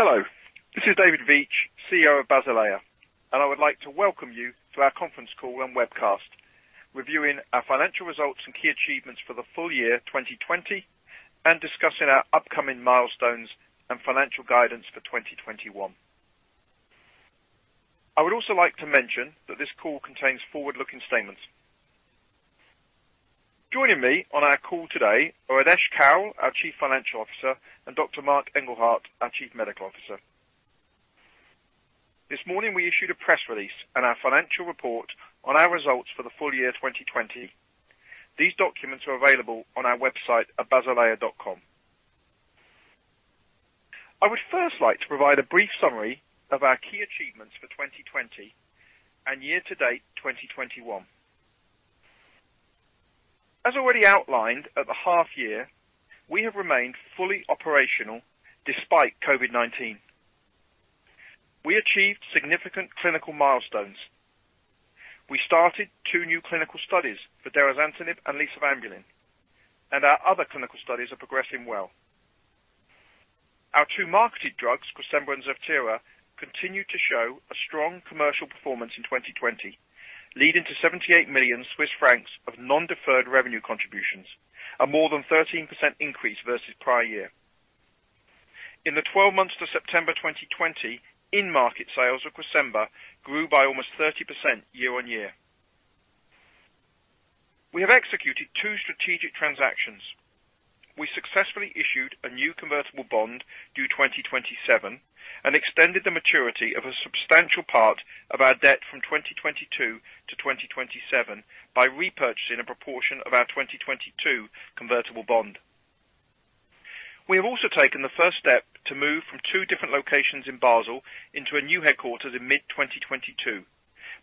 Hello, this is David Veitch, CEO of Basilea. I would like to welcome you to our Conference Call and Webcast, reviewing our financial results and key achievements for the full year 2020, discussing our upcoming milestones and financial guidance for 2021. I would also like to mention that this call contains forward-looking statements. Joining me on our call today are Adesh Kaul, our chief financial officer, and Dr. Marc Engelhardt, our chief medical officer. This morning we issued a press release and our financial report on our results for the full year 2020. These documents are available on our website at basilea.com. I would first like to provide a brief summary of our key achievements for 2020 and year to date 2021. As already outlined at the half year, we have remained fully operational despite COVID-19. We achieved significant clinical milestones. We started two new clinical studies for derazantinib and lisavanbulin, our other clinical studies are progressing well. Our two marketed drugs, Cresemba and Zevtera, continued to show a strong commercial performance in 2020, leading to 78 million Swiss francs of non-deferred revenue contributions, a more than 13% increase versus prior year. In the 12 months to September 2020, in-market sales of Cresemba grew by almost 30% year-on-year. We have executed two strategic transactions. We successfully issued a new convertible bond due 2027, extended the maturity of a substantial part of our debt from 2022 to 2027 by repurchasing a proportion of our 2022 convertible bond. We have also taken the first step to move from two different locations in Basel into a new headquarters in mid-2022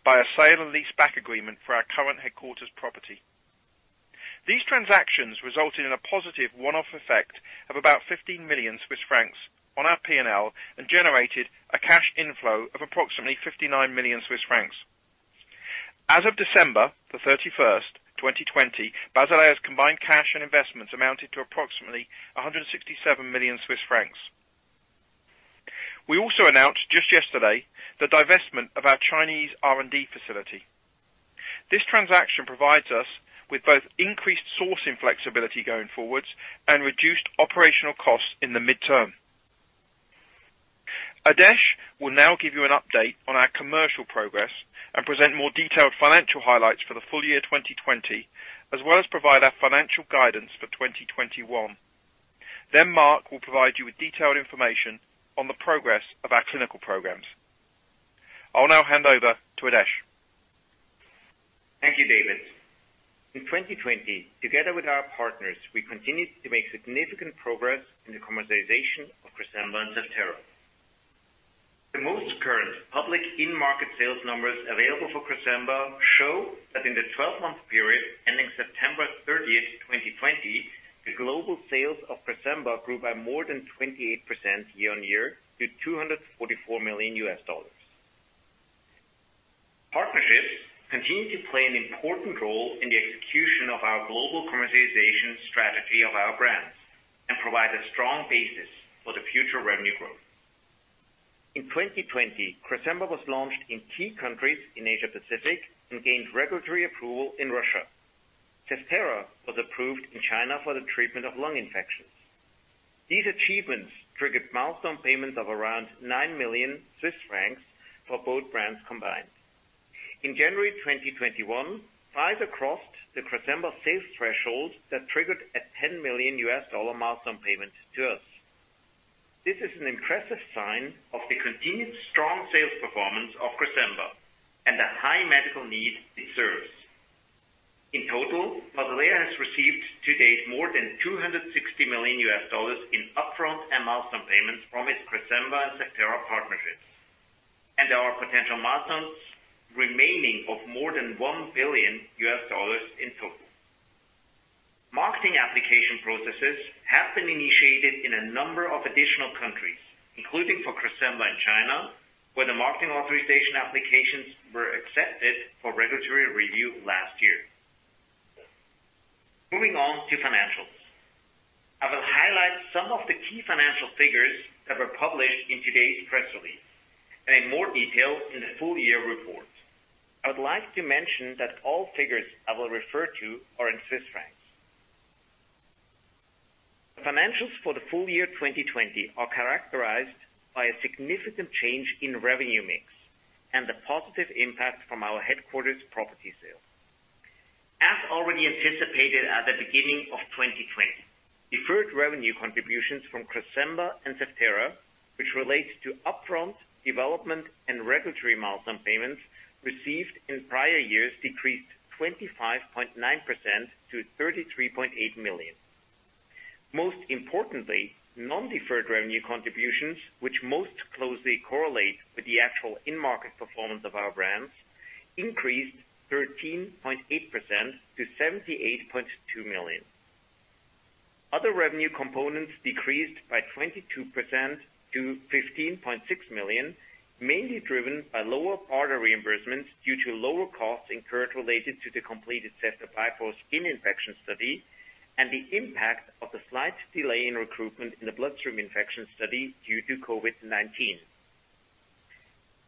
by a sale and leaseback agreement for our current headquarters property. These transactions resulted in a positive one-off effect of about 15 million Swiss francs on our P&L and generated a cash inflow of approximately 59 million Swiss francs. As of December 31st, 2020, Basilea's combined cash and investments amounted to approximately 167 million Swiss francs. We also announced just yesterday the divestment of our Chinese R&D facility. This transaction provides us with both increased sourcing flexibility going forwards and reduced operational costs in the midterm. Adesh will now give you an update on our commercial progress and present more detailed financial highlights for the full year 2020, as well as provide our financial guidance for 2021. Marc will provide you with detailed information on the progress of our clinical programs. I'll now hand over to Adesh. Thank you, David. In 2020, together with our partners, we continued to make significant progress in the commercialization of Cresemba and Zevtera. The most current public in-market sales numbers available for Cresemba show that in the 12-month period ending September 30th, 2020, the global sales of Cresemba grew by more than 28% year-on-year to $244 million. Partnerships continue to play an important role in the execution of our global commercialization strategy of our brands and provide a strong basis for the future revenue growth. In 2020, Cresemba was launched in key countries in Asia-Pacific and gained regulatory approval in Russia. Zevtera was approved in China for the treatment of lung infections. These achievements triggered milestone payments of around 9 million Swiss francs for both brands combined. In January 2021, Pfizer crossed the Cresemba sales threshold that triggered a $10 million milestone payment to us. This is an impressive sign of the continued strong sales performance of Cresemba and the high medical need it serves. In total, Basilea has received to date more than $260 million in upfront and milestone payments from its Cresemba and Zevtera partnerships. There are potential milestones remaining of more than $1 billion in total. Marketing application processes have been initiated in a number of additional countries, including for Cresemba in China, where the marketing authorization applications were accepted for regulatory review last year. Moving on to financials. I will highlight some of the key financial figures that were published in today's press release, and in more detail in the full-year report. I would like to mention that all figures I will refer to are in Swiss francs. The financials for the full year 2020 are characterized by a significant change in revenue mix and the positive impact from our headquarters property sale. As already anticipated at the beginning of 2020, deferred revenue contributions from Cresemba and Zevtera, which relates to upfront development and regulatory milestone payments received in prior years, decreased 25.9% to 33.8 million. Most importantly, non-deferred revenue contributions, which most closely correlate with the actual in-market performance of our brands, increased 13.8% to 78.2 million. Other revenue components decreased by 22% to 15.6 million, mainly driven by lower partner reimbursements due to lower costs incurred related to the completed cefepime for skin infection study and the impact of the slight delay in recruitment in the bloodstream infection study due to COVID-19.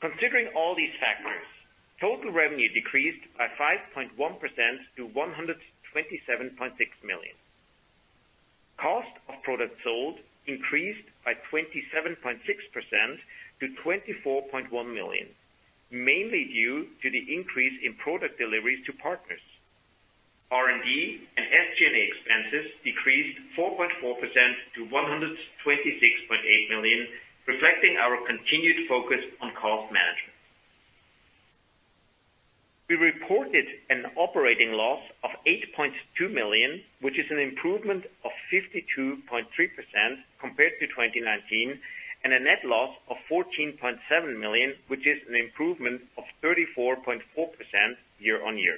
Considering all these factors, total revenue decreased by 5.1% to 127.6 million. Cost of products sold increased by 27.6% to 24.1 million, mainly due to the increase in product deliveries to partners. R&D and SG&A expenses decreased 4.4% to 126.8 million, reflecting our continued focus on cost management. We reported an operating loss of 8.2 million, which is an improvement of 52.3% compared to 2019, and a net loss of 14.7 million, which is an improvement of 34.4% year-on-year.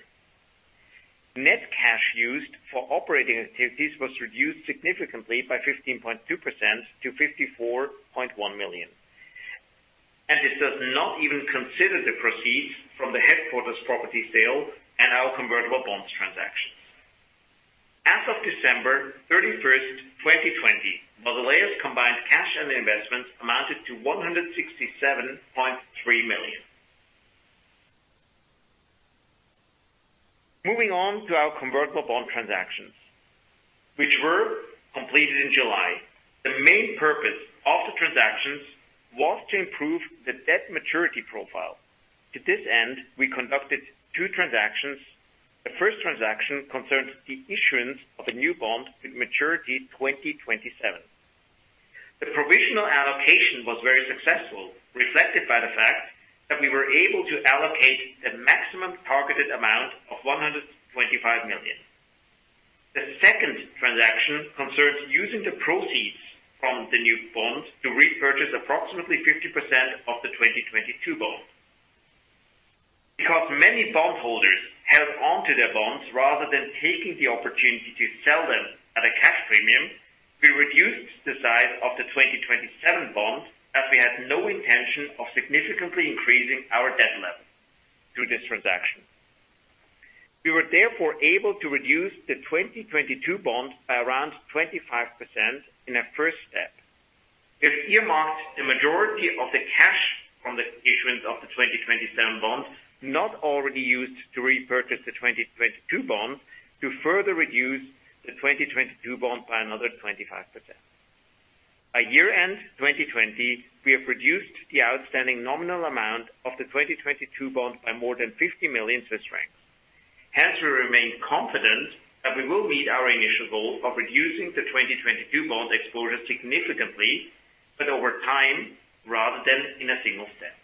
Net cash used for operating activities was reduced significantly by 15.2% to 54.1 million. This does not even consider the proceeds from the headquarters property sale and our convertible bonds transactions. As of December 31st, 2020, Basilea's combined cash and investments amounted to 167.3 million. Moving on to our convertible bond transactions, which were completed in July. The main purpose of the transactions was to improve the debt maturity profile. To this end, we conducted two transactions. The first transaction concerned the issuance of a new bond with maturity 2027. The provisional allocation was very successful, reflected by the fact that we were able to allocate the maximum targeted amount of 125 million. The second transaction concerns using the proceeds from the new bond to repurchase approximately 50% of the 2022 bond. Because many bond holders held onto their bonds rather than taking the opportunity to sell them at a cash premium, we reduced the size of the 2027 bond as we had no intention of significantly increasing our debt level through this transaction. We were therefore able to reduce the 2022 bond by around 25% in a first step. We've earmarked the majority of the cash from the issuance of the 2027 bond not already used to repurchase the 2022 bond to further reduce the 2022 bond by another 25%. By year end 2020, we have reduced the outstanding nominal amount of the 2022 bond by more than 50 million Swiss francs. Hence, we remain confident that we will meet our initial goal of reducing the 2022 bond exposure significantly, but over time rather than in a single step.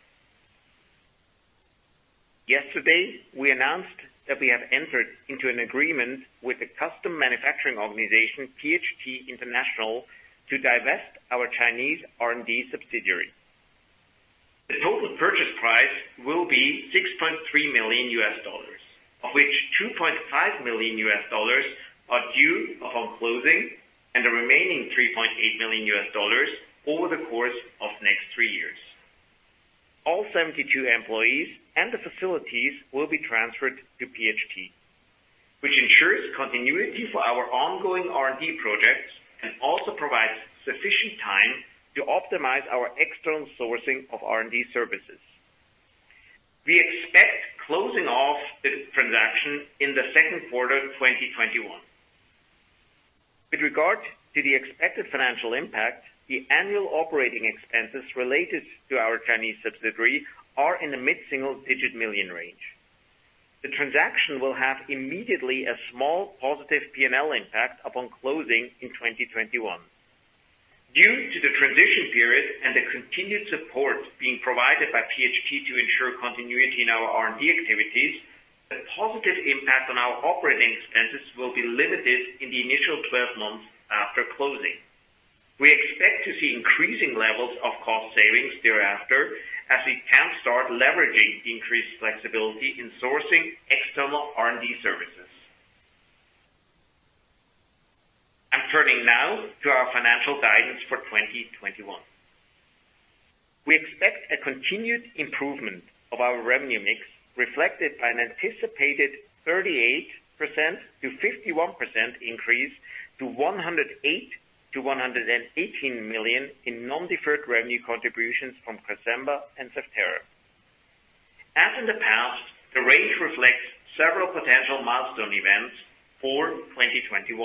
Yesterday, we announced that we have entered into an agreement with a custom manufacturing organization, PHT International, to divest our Chinese R&D subsidiary. The total purchase price will be $6.3 million, of which $2.5 million are due upon closing, and the remaining $3.8 million over the course of next three years. All 72 employees and the facilities will be transferred to PHT, which ensures continuity for our ongoing R&D projects and also provides sufficient time to optimize our external sourcing of R&D services. We expect closing of the transaction in the second quarter 2021. With regard to the expected financial impact, the annual operating expenses related to our Chinese subsidiary are in the mid-single digit million range. The transaction will have immediately a small positive P&L impact upon closing in 2021. Due to the transition period and the continued support being provided by PHT to ensure continuity in our R&D activities, the positive impact on our operating expenses will be limited in the initial 12 months after closing. We expect to see increasing levels of cost savings thereafter as we can start leveraging the increased flexibility in sourcing external R&D services. I'm turning now to our financial guidance for 2021. We expect a continued improvement of our revenue mix reflected by an anticipated 38%-51% increase to 108 million-118 million in non-deferred revenue contributions from Cresemba and Zevtera. As in the past, the range reflects several potential milestone events for 2021.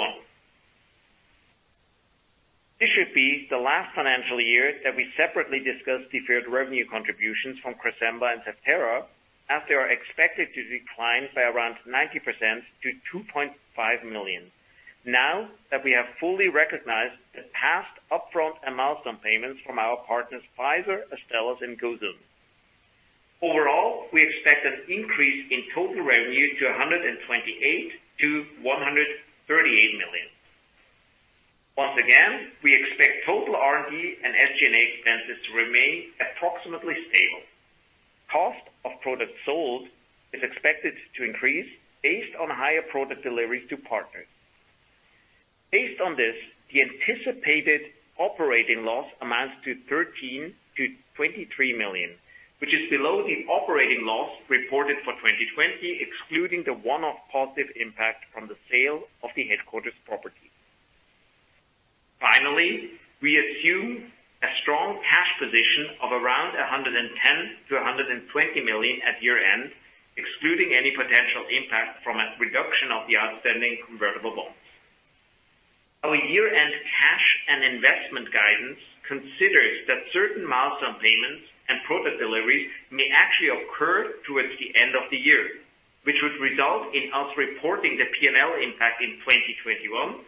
This should be the last financial year that we separately discuss deferred revenue contributions from Cresemba and Zevtera, as they are expected to decline by around 90% to 2.5 million now that we have fully recognized the past upfront and milestone payments from our partners, Pfizer, Astellas and Gosun. Overall, we expect an increase in total revenue to 128 million-138 million. Once again, we expect total R&D and SG&A expenses to remain approximately stable. Cost of products sold is expected to increase based on higher product deliveries to partners. Based on this, the anticipated operating loss amounts to 13 million-23 million, which is below the operating loss reported for 2020, excluding the one-off positive impact from the sale of the headquarters property. We assume a strong cash position of around 110 million-120 million at year-end, excluding any potential impact from a reduction of the outstanding convertible bonds. Our year-end cash and investment guidance considers that certain milestone payments and product deliveries may actually occur towards the end of the year, which would result in us reporting the P&L impact in 2021,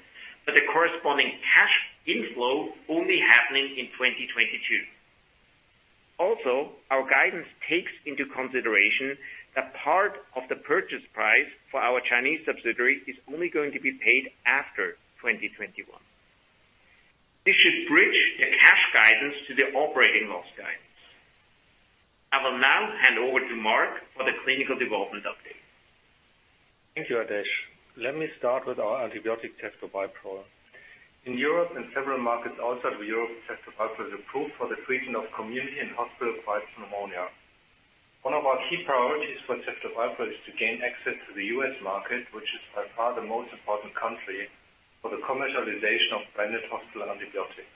but the corresponding cash inflow only happening in 2022. Our guidance takes into consideration that part of the purchase price for our Chinese subsidiary is only going to be paid after 2021. This should bridge the cash guidance to the operating loss guidance. I will now hand over to Marc for the clinical development update. Thank you, Adesh. Let me start with our antibiotic, Zevtera. In Europe and several markets outside of Europe, Zevtera is approved for the treatment of community and hospital-acquired pneumonia. One of our key priorities for Zevtera is to gain access to the U.S. market, which is by far the most important country for the commercialization of branded hospital antibiotics.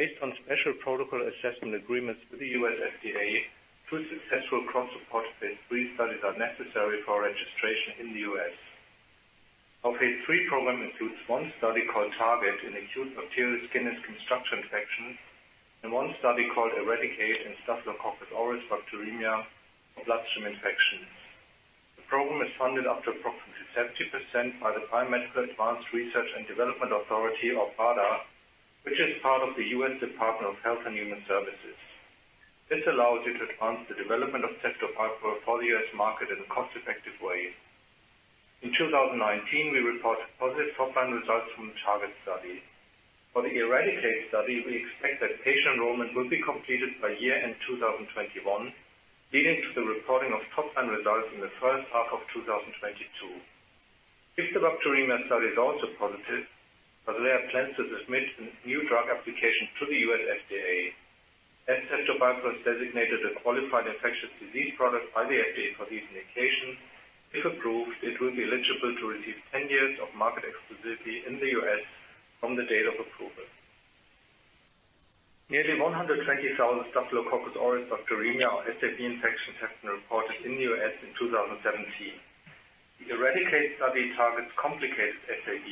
Based on special protocol assessment agreements with the U.S. FDA, two successful, cross-support phase III studies are necessary for registration in the U.S. Our phase III program includes one study called TARGET in acute bacterial skin and structure infections and one study called ERADICATE in Staphylococcus aureus bacteremia or bloodstream infections. The program is funded up to approximately 70% by the Biomedical Advanced Research and Development Authority or BARDA, which is part of the U.S. Department of Health and Human Services. This allows it to advance the development of Ceftobiprole for the U.S. market in a cost-effective way. In 2019, we reported positive top-line results from the TARGET study. For the ERADICATE study, we expect that patient enrollment will be completed by year-end 2021, leading to the reporting of top-line results in the first half of 2022. If the bacteremia study is also positive, Basilea plans to submit a new drug application to the U.S. FDA. As Ceftobiprole is designated a qualified infectious disease product by the FDA for these indications, if approved, it will be eligible to receive 10 years of market exclusivity in the U.S. from the date of approval. Nearly 120,000 Staphylococcus aureus bacteremia or SAB infections have been reported in the U.S. in 2017. The ERADICATE study targets complicated SAB,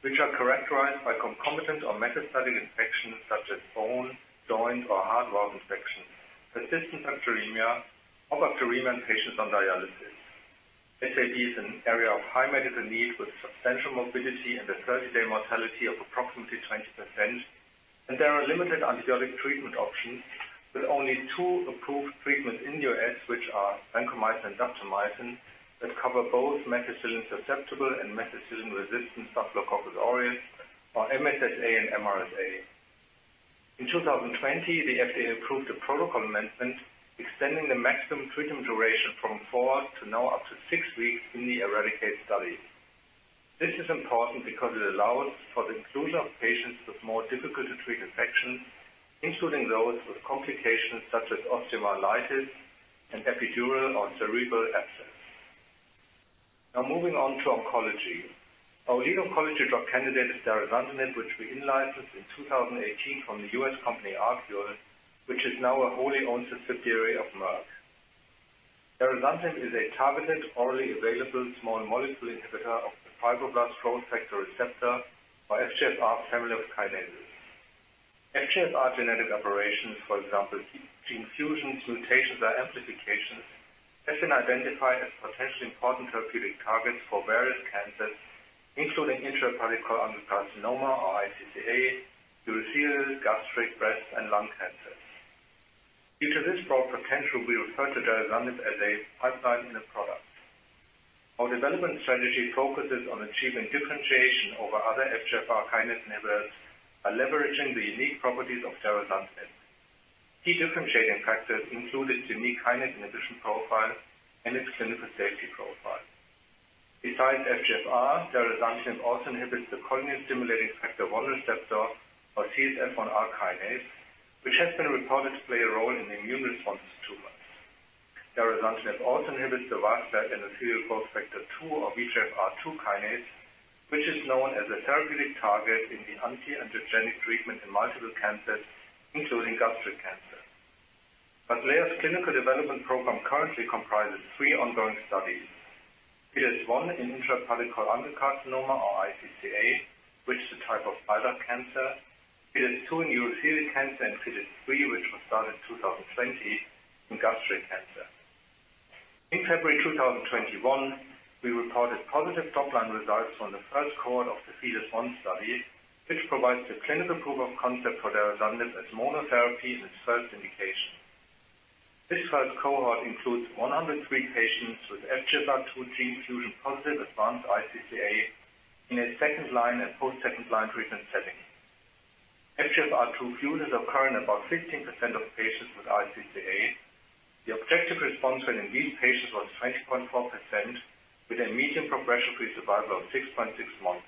which are characterized by concomitant or metastatic infections such as bone, joint, or heart valve infections, persistent bacteremia, or bacteremia in patients on dialysis. There are limited antibiotic treatment options with only two approved treatments in the U.S., which are vancomycin and daptomycin, that cover both methicillin-susceptible and methicillin-resistant Staphylococcus aureus or MSSA and MRSA. In 2020, the FDA approved a protocol amendment extending the maximum treatment duration from four to now up to six weeks in the ERADICATE study. This is important because it allows for the inclusion of patients with more difficult to treat infections, including those with complications such as osteomyelitis and epidural or cerebral abscess. Now moving on to oncology. Our lead oncology drug candidate is derazantinib, which we in-licensed in 2018 from the U.S. company ArQule, which is now a wholly-owned subsidiary of Merck. Derazantinib is a targeted, orally available, small molecule inhibitor of the fibroblast growth factor receptor by FGFR family of kinases. FGFR genetic aberrations, for example, gene fusions, mutations, or amplifications, have been identified as potentially important therapeutic targets for various cancers, including intrahepatic cholangiocarcinoma or iCCA, urothelial, gastric, breast, and lung cancers. Due to this broad potential, we refer to derazantinib as a pipeline-in-a-product. Our development strategy focuses on achieving differentiation over other FGFR kinase inhibitors by leveraging the unique properties of derazantinib. Key differentiating factors include its unique kinase inhibition profile and its clinical safety profile. Besides FGFR, derazantinib also inhibits the colony-stimulating factor one receptor or CSF1R kinase, which has been reported to play a role in immune response tumors. Derazantinib also inhibits the vascular endothelial growth factor two or VEGFR-2 kinase, which is known as a therapeutic target in the anti-angiogenic treatment in multiple cancers, including gastric cancer. Basilea's clinical development program currently comprises three ongoing studies: FIDES-01 in intrahepatic cholangiocarcinoma or iCCA, which is a type of bile duct cancer, FIDES-02 in urothelial cancer, and FIDES-03, which was started in 2020 in gastric cancer. In February 2021, we reported positive top-line results from the first cohort of the FIDES-01 study, which provides the clinical proof of concept for derazantinib as monotherapy in its first indication. This first cohort includes 103 patients with FGFR2 gene fusion-positive advanced iCCA in a second-line and post-second-line treatment setting. FGFR2 fusions occur in about 16% of patients with iCCA. The objective response rate in these patients was 20.4% with a median progression-free survival of 6.6 months.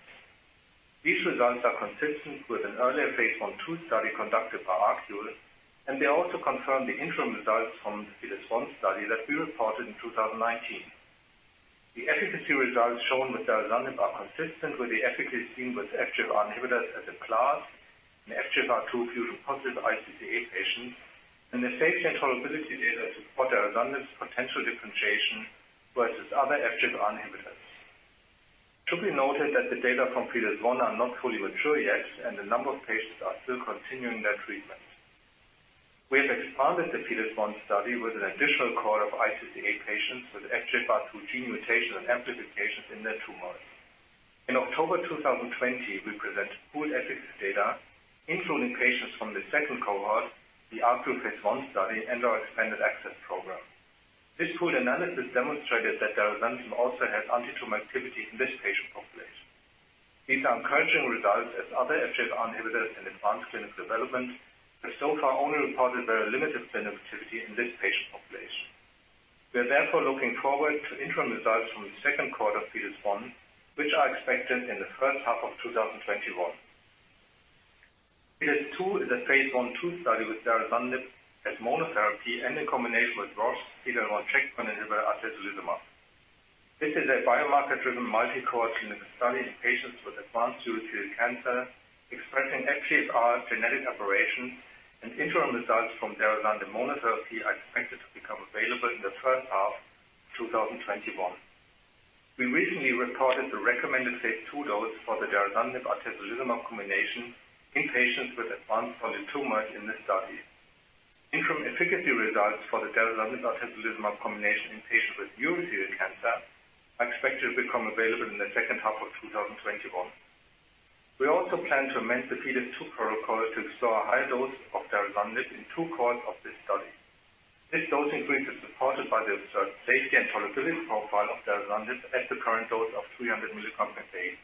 These results are consistent with an earlier phase I/II study conducted by ArQule, they also confirm the interim results from the FIDES-01 study that we reported in 2019. The efficacy results shown with derazantinib are consistent with the efficacy seen with FGFR inhibitors as a class in FGFR2 fusion-positive iCCA patients, the safety and tolerability data support derazantinib's potential differentiation versus other FGFR inhibitors. It should be noted that the data from FIDES-01 are not fully mature yet, a number of patients are still continuing their treatment. We have expanded the FIDES-01 study with an additional cohort of iCCA patients with FGFR2 gene mutations and amplifications in their tumors. In October 2020, we present pooled efficacy data, including patients from the second cohort, the ARQ phase I study, our expanded access program. This pooled analysis demonstrated that derazantinib also has anti-tumor activity in this patient population. These are encouraging results as other FGFR inhibitors in advanced clinical development have so far only reported very limited benefit activity in this patient population. We are therefore looking forward to interim results from the second quarter of FIDES-01, which are expected in the first half of 2021. FIDES-02 is a phase I/II study with derazantinib as monotherapy and in combination with Roche's PD-L1 checkpoint inhibitor, atezolizumab. This is a biomarker-driven multi-cohort clinical study in patients with advanced urothelial cancer expressing FGFR genetic aberrations, and interim results from derazantinib monotherapy are expected to become available in the first half of 2021. We recently reported the recommended phase II dose for the derazantinib-atezolizumab combination in patients with advanced solid tumors in this study. Interim efficacy results for the derazantinib-atezolizumab combination in patients with urothelial cancer are expected to become available in the second half of 2021. We also plan to amend the FIDES-02 protocol to explore higher dose of derazantinib in two cohorts of this study. This dose increase is supported by the observed safety and tolerability profile of derazantinib at the current dose of 300 mg a day.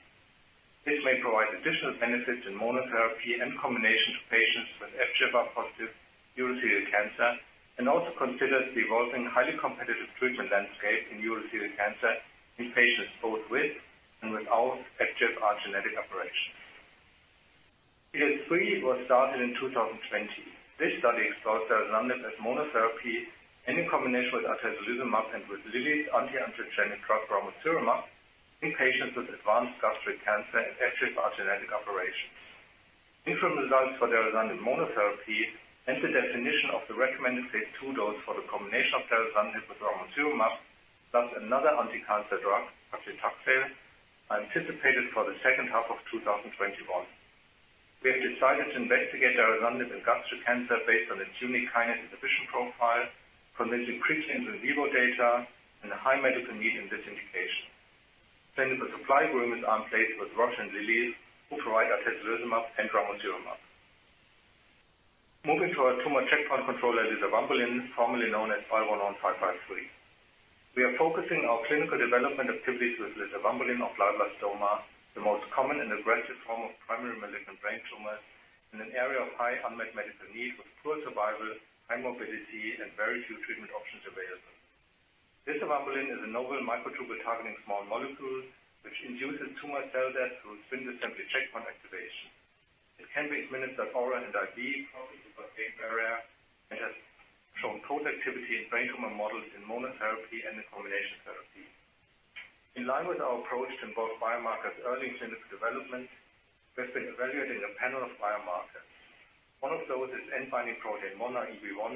This may provide additional benefits in monotherapy and combination to patients with FGFR-positive urothelial cancer, and also considered the evolving highly competitive treatment landscape in urothelial cancer in patients both with and without FGFR genetic aberrations. FIDES-03 was started in 2020. This study explores derazantinib as monotherapy and in combination with atezolizumab and with Lilly's anti-angiogenic drug, ramucirumab, in patients with advanced gastric cancer and FGFR genetic aberrations. Interim results for derazantinib monotherapy and the definition of the recommended phase II dose for the combination of derazantinib with ramucirumab, plus another anticancer drug, patritumab, are anticipated for the second half of 2021. We have decided to investigate durvalumab in gastric cancer based on its unique kinase inhibition profile from this preclinical in vivo data and a high medical need in this indication. Supply agreements are in place with Roche and Lilly, who provide atezolizumab and ramucirumab. Our tumor checkpoint controller, lisavanbulin, formerly known as BAL101553. We are focusing our clinical development activities with lisavanbulin on glioblastoma, the most common and aggressive form of primary malignant brain tumors in an area of high unmet medical need with poor survival, high morbidity, and very few treatment options available. Lisavanbulin is a novel microtubule-targeting small molecule which induces tumor cell death through spindle assembly checkpoint activation. It can be administered oral and IV, crossing the blood-brain barrier, and has shown potency activity in brain tumor models in monotherapy and in combination therapy. In line with our approach to involve biomarkers early in clinical development, we have been evaluating a panel of biomarkers. One of those is end-binding protein 1 EB1,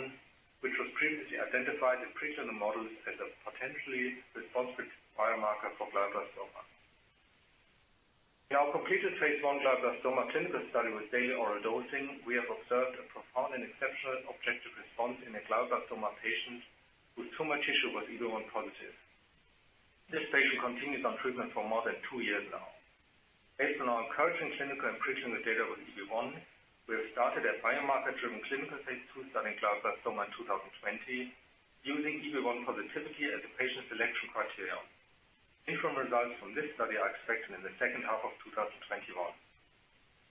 which was previously identified in preclinical models as a potentially responsive biomarker for glioblastoma. In our completed phase I glioblastoma clinical study with daily oral dosing, we have observed a profound and exceptional objective response in a glioblastoma patient whose tumor tissue was EB1 positive. This patient continues on treatment for more than two years now. Based on our encouraging clinical and preclinical data with EB1, we have started a biomarker-driven clinical phase II study in glioblastoma in 2020 using EB1 positivity as a patient selection criterion. Interim results from this study are expected in the second half of 2021.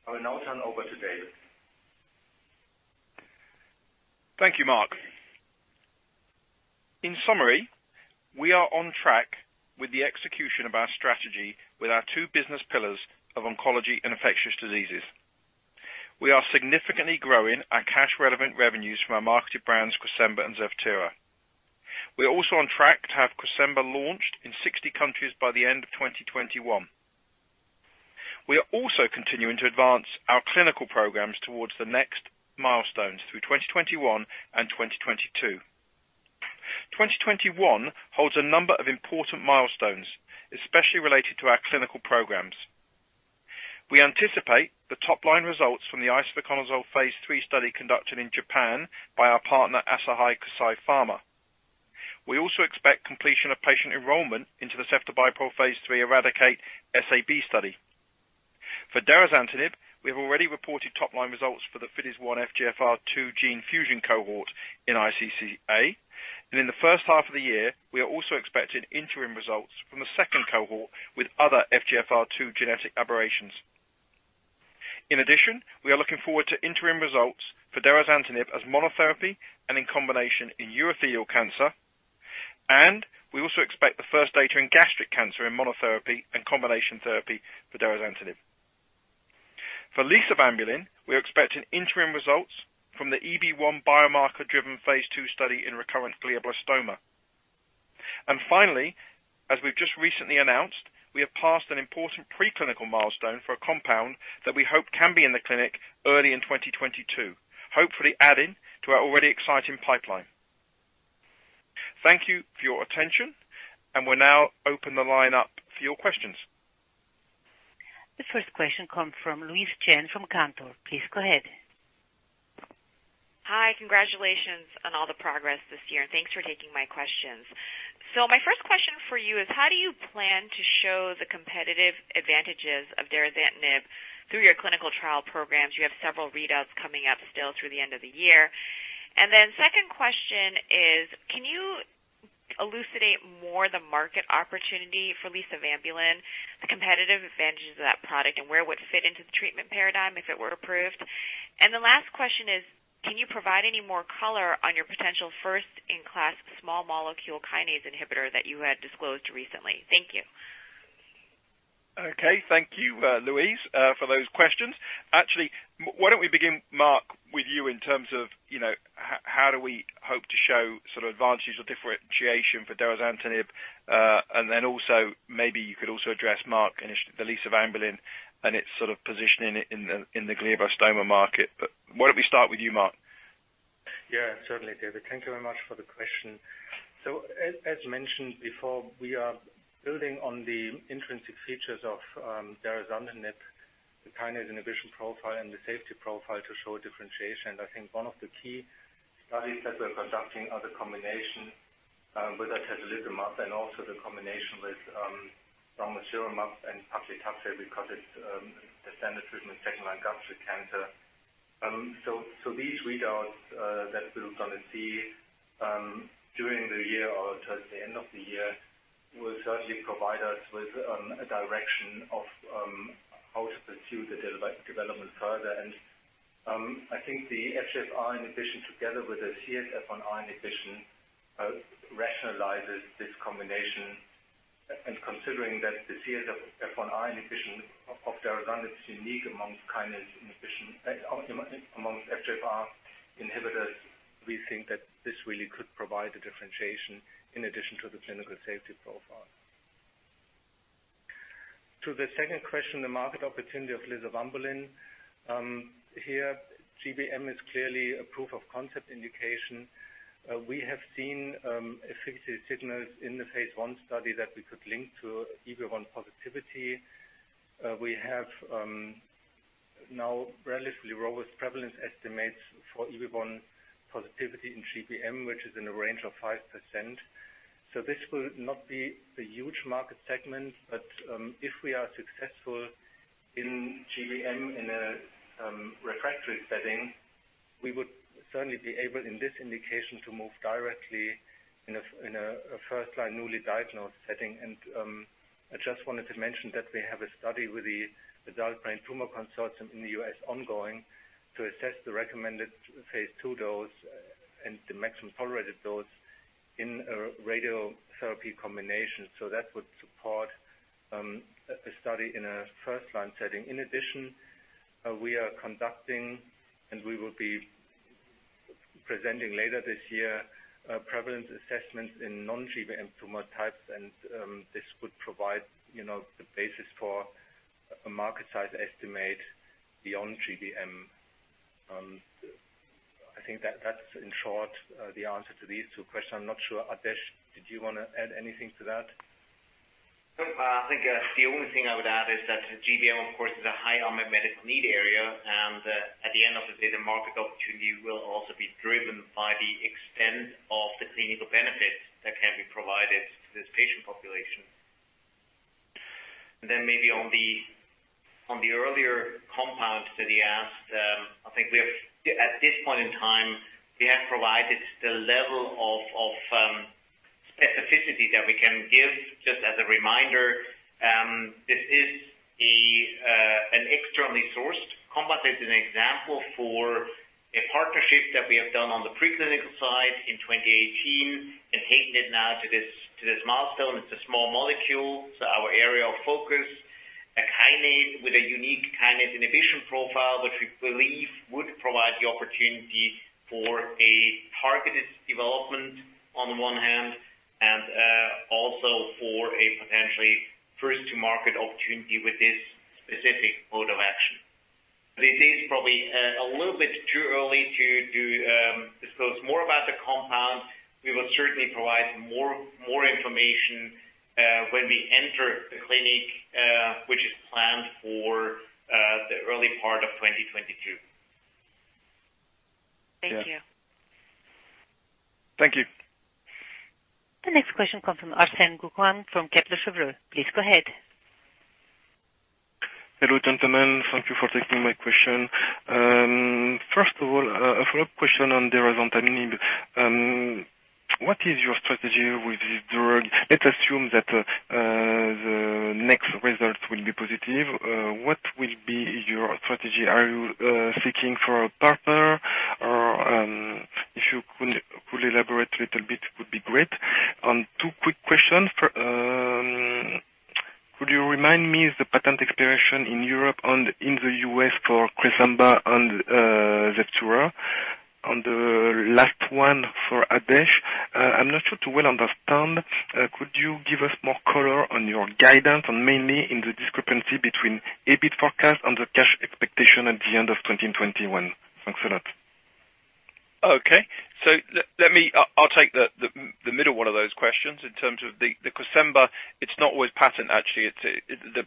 I will now turn over to David. Thank you, Marc. In summary, we are on track with the execution of our strategy with our two business pillars of oncology and infectious diseases. We are significantly growing our cash-relevant revenues from our marketed brands, Cresemba and Zevtera. We are also on track to have Cresemba launched in 60 countries by the end of 2021. We are also continuing to advance our clinical programs towards the next milestones through 2021 and 2022. 2021 holds a number of important milestones, especially related to our clinical programs. We anticipate the top-line results from the isavuconazole phase III study conducted in Japan by our partner Asahi Kasei Pharma. We also expect completion of patient enrollment into the Ceftobiprole phase III ERADICATE-SAB study. For derazantinib, we have already reported top-line results for the FIDES-01 FGFR2 gene fusion cohort in iCCA. In the first half of the year, we are also expecting interim results from the second cohort with other FGFR2 genetic aberrations. In addition, we are looking forward to interim results for derazantinib as monotherapy and in combination in urothelial cancer. We also expect the first data in gastric cancer in monotherapy and combination therapy for derazantinib. for lisavanbulin, we are expecting interim results from the EB1 biomarker-driven phase II study in recurrent glioblastoma. Finally, as we've just recently announced, we have passed an important preclinical milestone for a compound that we hope can be in the clinic early in 2022, hopefully adding to our already exciting pipeline. Thank you for your attention, and we'll now open the line up for your questions. The first question comes from Louise Chen from Cantor. Please go ahead. Hi. Congratulations on all the progress this year, and thanks for taking my questions. My first question for you is, how do you plan to show the competitive advantages of derazantinib through your clinical trial programs? You have several readouts coming up still through the end of the year. Then second question is, can you elucidate more the market opportunity for lisavanbulin, the competitive advantages of that product, and where it would fit into the treatment paradigm if it were approved? The last question is, can you provide any more color on your potential first-in-class, small-molecule kinase inhibitor that you had disclosed recently? Thank you. Okay. Thank you, Louise, for those questions. Actually, why don't we begin, Marc, with you in terms of how do we hope to show sort of advantages or differentiation for derazantinib, and then also maybe you could also address, Marc, the lisavanbulin and its sort of positioning in the glioblastoma market. Why don't we start with you, Marc? Certainly, David. Thank you very much for the question. As mentioned before, we are building on the intrinsic features of derazantinib, the kinase inhibition profile, and the safety profile to show differentiation. I think one of the key studies that we're conducting are the combination with atezolizumab and also the combination with ramucirumab and paclitaxel, because it's the standard treatment second-line gastric cancer. These readouts that we're going to see during the year or towards the end of the year will certainly provide us with a direction of how to pursue the development further. I think the FGFR inhibition together with the CSF1R inhibition rationalizes this combination. Considering that the CSF1R inhibition of derazantinib is unique amongst FGFR inhibitors, we think that this really could provide the differentiation in addition to the clinical safety profile. To the second question, the market opportunity of lisavanbulin. Here GBM is clearly a proof of concept indication. We have seen effective signals in the phase I study that we could link to EB1 positivity. We have now relatively robust prevalence estimates for EB1 positivity in GBM, which is in a range of 5%. This will not be a huge market segment, but if we are successful in GBM in a refractory setting, we would certainly be able, in this indication, to move directly in a first-line, newly diagnosed setting. I just wanted to mention that we have a study with the Adult Brain Tumor Consortium in the U.S. ongoing to assess the recommended phase II dose and the maximum tolerated dose in a radiotherapy combination. That would support a study in a first-line setting. In addition, we are conducting, and we will be presenting later this year, prevalence assessments in non-GBM tumor types, and this would provide the basis for a market size estimate beyond GBM. I think that's in short the answer to these two questions. I'm not sure, Adesh, did you want to add anything to that? No. I think the only thing I would add is that the GBM, of course, is a high unmet medical need area. At the end of the day, the market opportunity will also be driven by the extent of the clinical benefits that can be provided to this patient population. Maybe on the earlier compound that you asked, I think at this point in time, we have provided the level of specificity that we can give. Just as a reminder, this is an externally sourced compound as an example for a partnership that we have done on the preclinical side in 2018 and taken it now to this milestone. It's a small molecule, so our area of focus, a kinase with a unique kinase inhibition profile, which we believe would provide the opportunity for a targeted development on one hand, and also for a potentially first-to-market opportunity with this specific mode of action. It is probably a little bit too early to disclose more about the compound. We will certainly provide more information when we enter the clinic, which is planned for the early part of 2022. Thank you. Thank you. The next question comes from Arsène Guekam from Kepler Cheuvreux. Please go ahead. Hello, gentlemen. Thank you for taking my question. First of all, a follow-up question on derazantinib. What is your strategy with this drug? Let's assume that the next results will be positive. What will be your strategy? Are you seeking for a partner? If you could elaborate a little bit, it would be great. Two quick questions. Could you remind me the patent expiration in Europe and in the U.S. for Cresemba and Zevtera? On the last one for Adesh, I'm not sure to well understand. Could you give us more color on your guidance on mainly in the discrepancy between EBIT forecast and the cash expectation at the end of 2021? Thanks a lot. Okay. I'll take the middle one of those questions in terms of the Cresemba. It's not always patent, actually,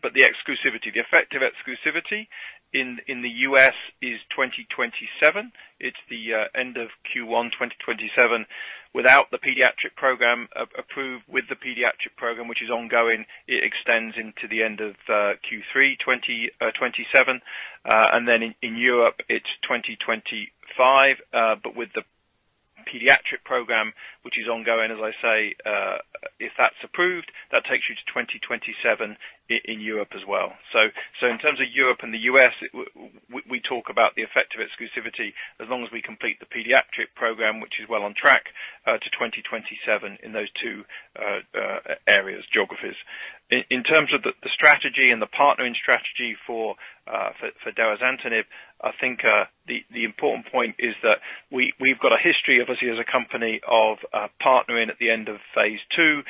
but the exclusivity, the effect of exclusivity in the U.S. is 2027. It's the end of Q1 2027 without the pediatric program approved. With the pediatric program, which is ongoing, it extends into the end of Q3 2027. Then in Europe it's 2025. With the pediatric program, which is ongoing, as I say, if that's approved, that takes you to 2027 in Europe as well. In terms of Europe and the U.S., we talk about the effect of exclusivity as long as we complete the pediatric program, which is well on track, to 2027 in those two areas, geographies. In terms of the strategy and the partnering strategy for derazantinib, I think the important point is that we've got a history, obviously, as a company of partnering at the end of phase II.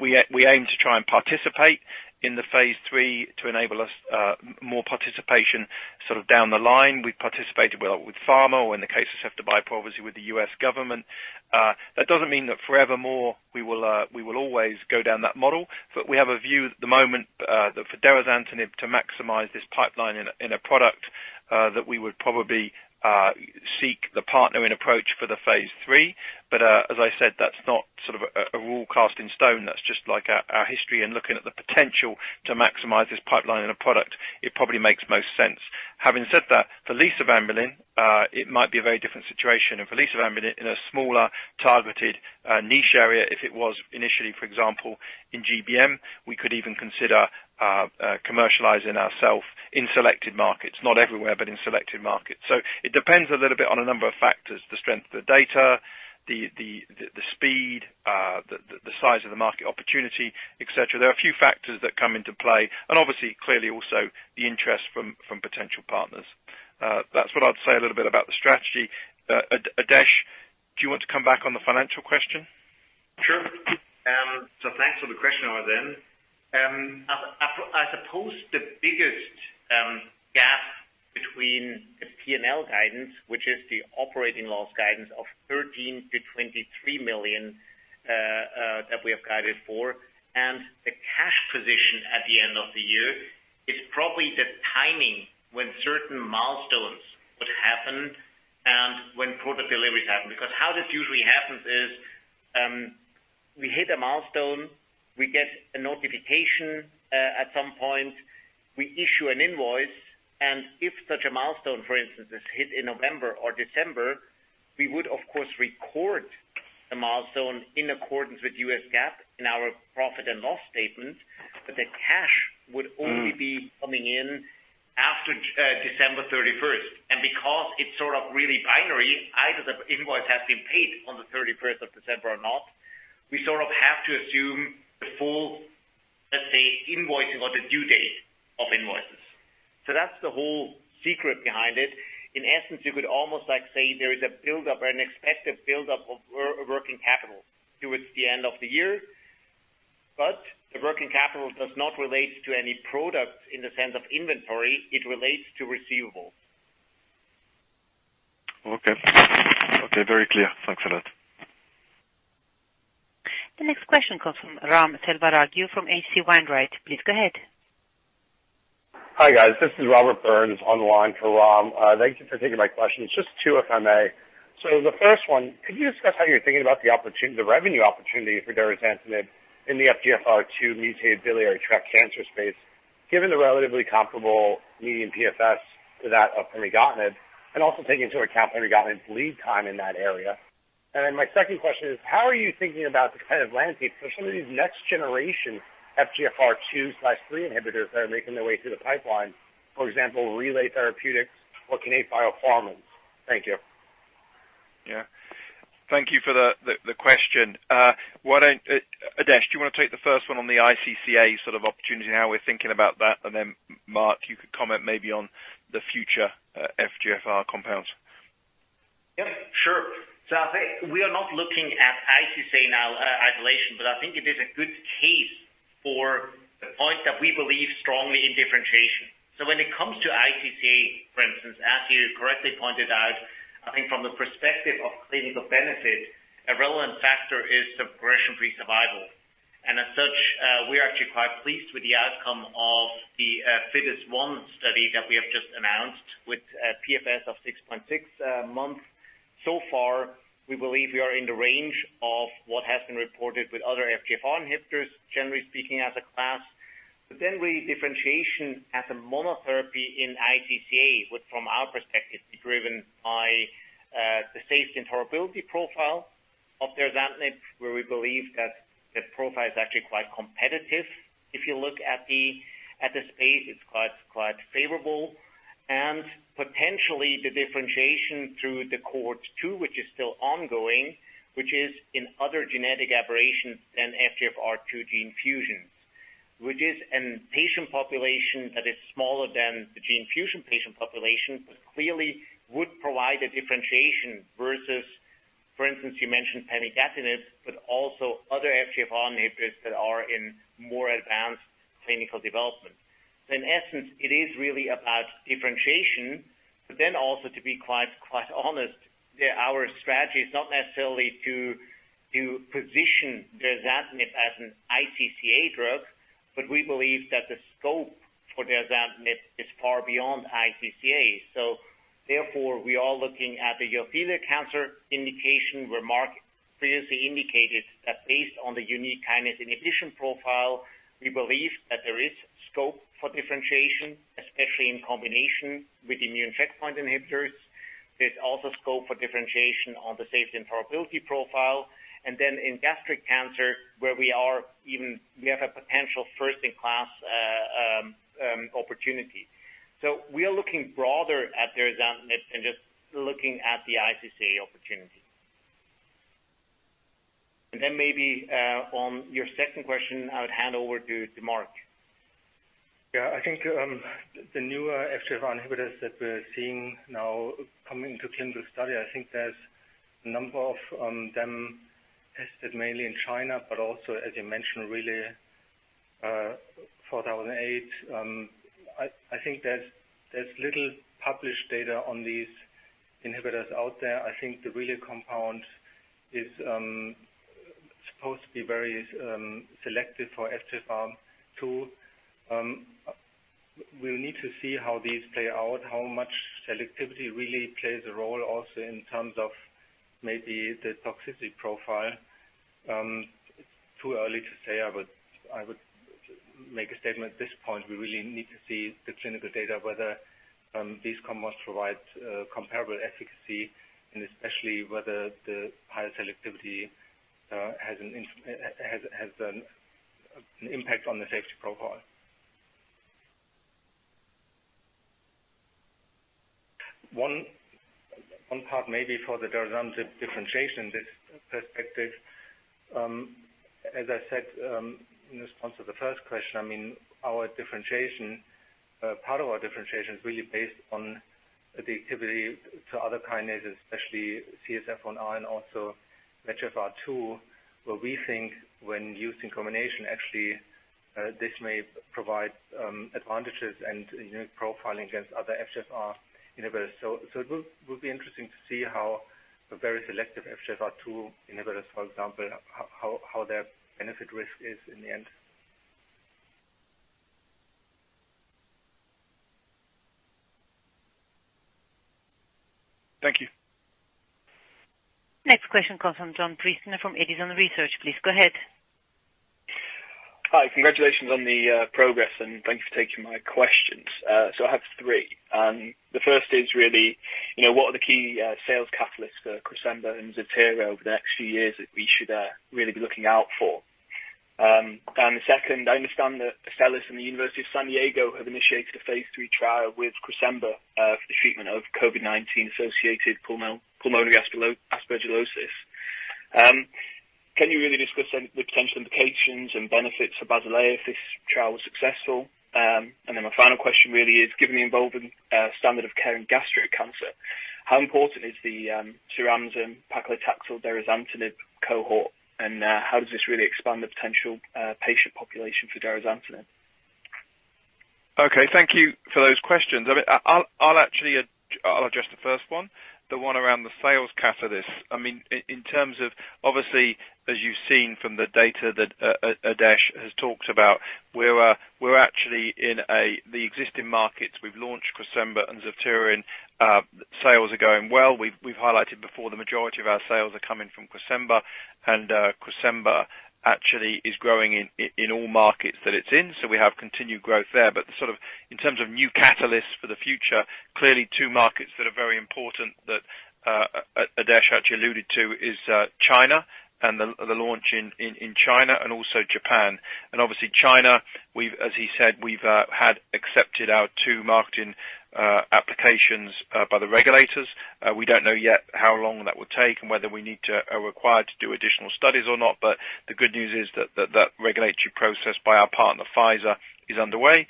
We aim to try and participate in the phase III to enable us more participation sort of down the line. We've participated with pharma or in the case of Ceftobiprole, obviously, with the U.S. government. That doesn't mean that forevermore we will always go down that model. We have a view at the moment, that for derazantinib to maximize this pipeline in a product, that we would probably seek the partnering approach for the phase III. As I said, that's not sort of a rule cast in stone. That's just like our history and looking at the potential to maximize this pipeline in a product. It probably makes most sense. Having said that, for lisavanbulin, it might be a very different situation. For lisavanbulin in a smaller targeted niche area, if it was initially, for example, in GBM, we could even consider commercializing ourself in selected markets. Not everywhere, but in selected markets. It depends a little bit on a number of factors, the strength of the data, the speed, the size of the market opportunity, et cetera. There are a few factors that come into play, obviously, clearly also the interest from potential partners. That's what I'd say a little bit about the strategy. Adesh, do you want to come back on the financial question? Sure. Thanks for the question, Arsène. I suppose the biggest gap between the P&L guidance, which is the operating loss guidance of 13 million-23 million that we have guided for, and the cash position at the end of the year, is probably the timing when certain milestones would happen and when product deliveries happen. Because how this usually happens is, we hit a milestone, we get a notification, at some point, we issue an invoice, and if such a milestone, for instance, is hit in November or December, we would of course record the milestone in accordance with US GAAP in our profit and loss statements. The cash would only be coming in after December 31st. Because it's sort of really binary, either the invoice has been paid on the 31st of December or not. We sort of have to assume the full, let's say, invoicing or the due date of invoices. That's the whole secret behind it. In essence, you could almost say there is a buildup or an expected buildup of working capital towards the end of the year. The working capital does not relate to any product in the sense of inventory. It relates to receivables. Okay. Very clear. Thanks a lot. The next question comes from Ram Selvaraju from H.C. Wainwright. Please go ahead. Hi, guys. This is Robert Burns online for Ram. Thank you for taking my question. It's just two, if I may. The first one, could you discuss how you're thinking about the revenue opportunity for derazantinib in the FGFR2 mutated biliary tract cancer space, given the relatively comparable median PFS to that of pemigatinib and also taking into account pemigatinib's lead time in that area. My second question is, how are you thinking about the kind of landscape for some of these next generation FGFR2/3 inhibitors that are making their way through the pipeline, for example, Relay Therapeutics or Kinnate? Thank you. Yeah. Thank you for the question. Adesh, do you want to take the first one on the iCCA sort of opportunity and how we're thinking about that? Then Marc, you could comment maybe on the future FGFR compounds. Yeah, sure. I think we are not looking at iCCA in isolation, but I think it is a good case for the point that we believe strongly in differentiation. When it comes to iCCA, for instance, as you correctly pointed out, I think from the perspective of clinical benefit, a relevant factor is progression-free survival. As such, we are actually quite pleased with the outcome of the FIDES-01 study that we have just announced with PFS of 6.6 months. Far, we believe we are in the range of what has been reported with other FGFR inhibitors, generally speaking, as a class. Really differentiation as a monotherapy in iCCA would from our perspective, be driven by the safety and tolerability profile of derazantinib, where we believe that the profile is actually quite competitive. If you look at the space, it's quite favorable. Potentially the differentiation through the cohort two, which is still ongoing, which is in other genetic aberrations than FGFR2 gene fusions, which is a patient population that is smaller than the gene fusion patient population, but clearly would provide a differentiation versus, for instance, you mentioned pemigatinib, but also other FGFR inhibitors that are in more advanced clinical development. In essence, it is really about differentiation, but also, to be quite honest, our strategy is not necessarily to position derazantinib as an iCCA drug, but we believe that the scope for derazantinib is far beyond iCCA. Therefore, we are looking at the urothelial cancer indication where Marc previously indicated that based on the unique kinase inhibition profile, we believe that there is scope for differentiation, especially in combination with immune checkpoint inhibitors. There's also scope for differentiation on the safety and tolerability profile. In gastric cancer, where we have a potential first-in-class opportunity. We are looking broader at derazantinib than just looking at the iCCA opportunity. Maybe, on your second question, I would hand over to Marc. I think the newer FGFR inhibitors that we're seeing now coming to clinical study, I think there's a number of them tested mainly in China, but also, as you mentioned, RLY-4008. I think there's little published data on these inhibitors out there. I think the Relay compound is supposed to be very selective for FGFR2. We'll need to see how these play out, how much selectivity really plays a role also in terms of maybe the toxicity profile. It's too early to say I would make a statement at this point. We really need to see the clinical data, whether these compounds provide comparable efficacy, and especially whether the higher selectivity has an impact on the safety profile. One part maybe for the derazantinib differentiation perspective. As I said in response to the first question, our differentiation, part of our differentiation is really based on the activity to other kinases, especially CSF1R and also FGFR2, where we think when used in combination, actually, this may provide advantages and unique profiling against other FGFR inhibitors. It will be interesting to see how the very selective FGFR2 inhibitors, for example, how their benefit risk is in the end. Thank you. Next question comes from John Priestner from Edison Research. Please go ahead. Hi. Congratulations on the progress, and thank you for taking my questions. I have three. The first is really, what are the key sales catalysts for Cresemba and Zevtera over the next few years that we should really be looking out for? The second, I understand that Astellas and the University of San Diego have initiated a phase III trial with Cresemba, for the treatment of COVID-19-associated pulmonary aspergillosis. Can you really discuss the potential implications and benefits for Basilea if this trial was successful? My final question really is, given the evolving standard of care in gastric cancer, how important is the ramucirumab paclitaxel derazantinib cohort, and how does this really expand the potential patient population for derazantinib? Okay. Thank you for those questions. I'll address the first one, the one around the sales catalyst. In terms of, obviously, as you've seen from the data that Adesh has talked about, we're actually in the existing markets. We've launched Cresemba and Zevtera, and sales are going well. We've highlighted before the majority of our sales are coming from Cresemba, and Cresemba actually is growing in all markets that it's in. We have continued growth there. In terms of new catalysts for the future, clearly two markets that are very important that Adesh actually alluded to is China and the launch in China and also Japan. Obviously China, as he said, we've had accepted our two marketing applications by the regulators. We don't know yet how long that will take and whether we are required to do additional studies or not. The good news is that that regulatory process by our partner, Pfizer, is underway.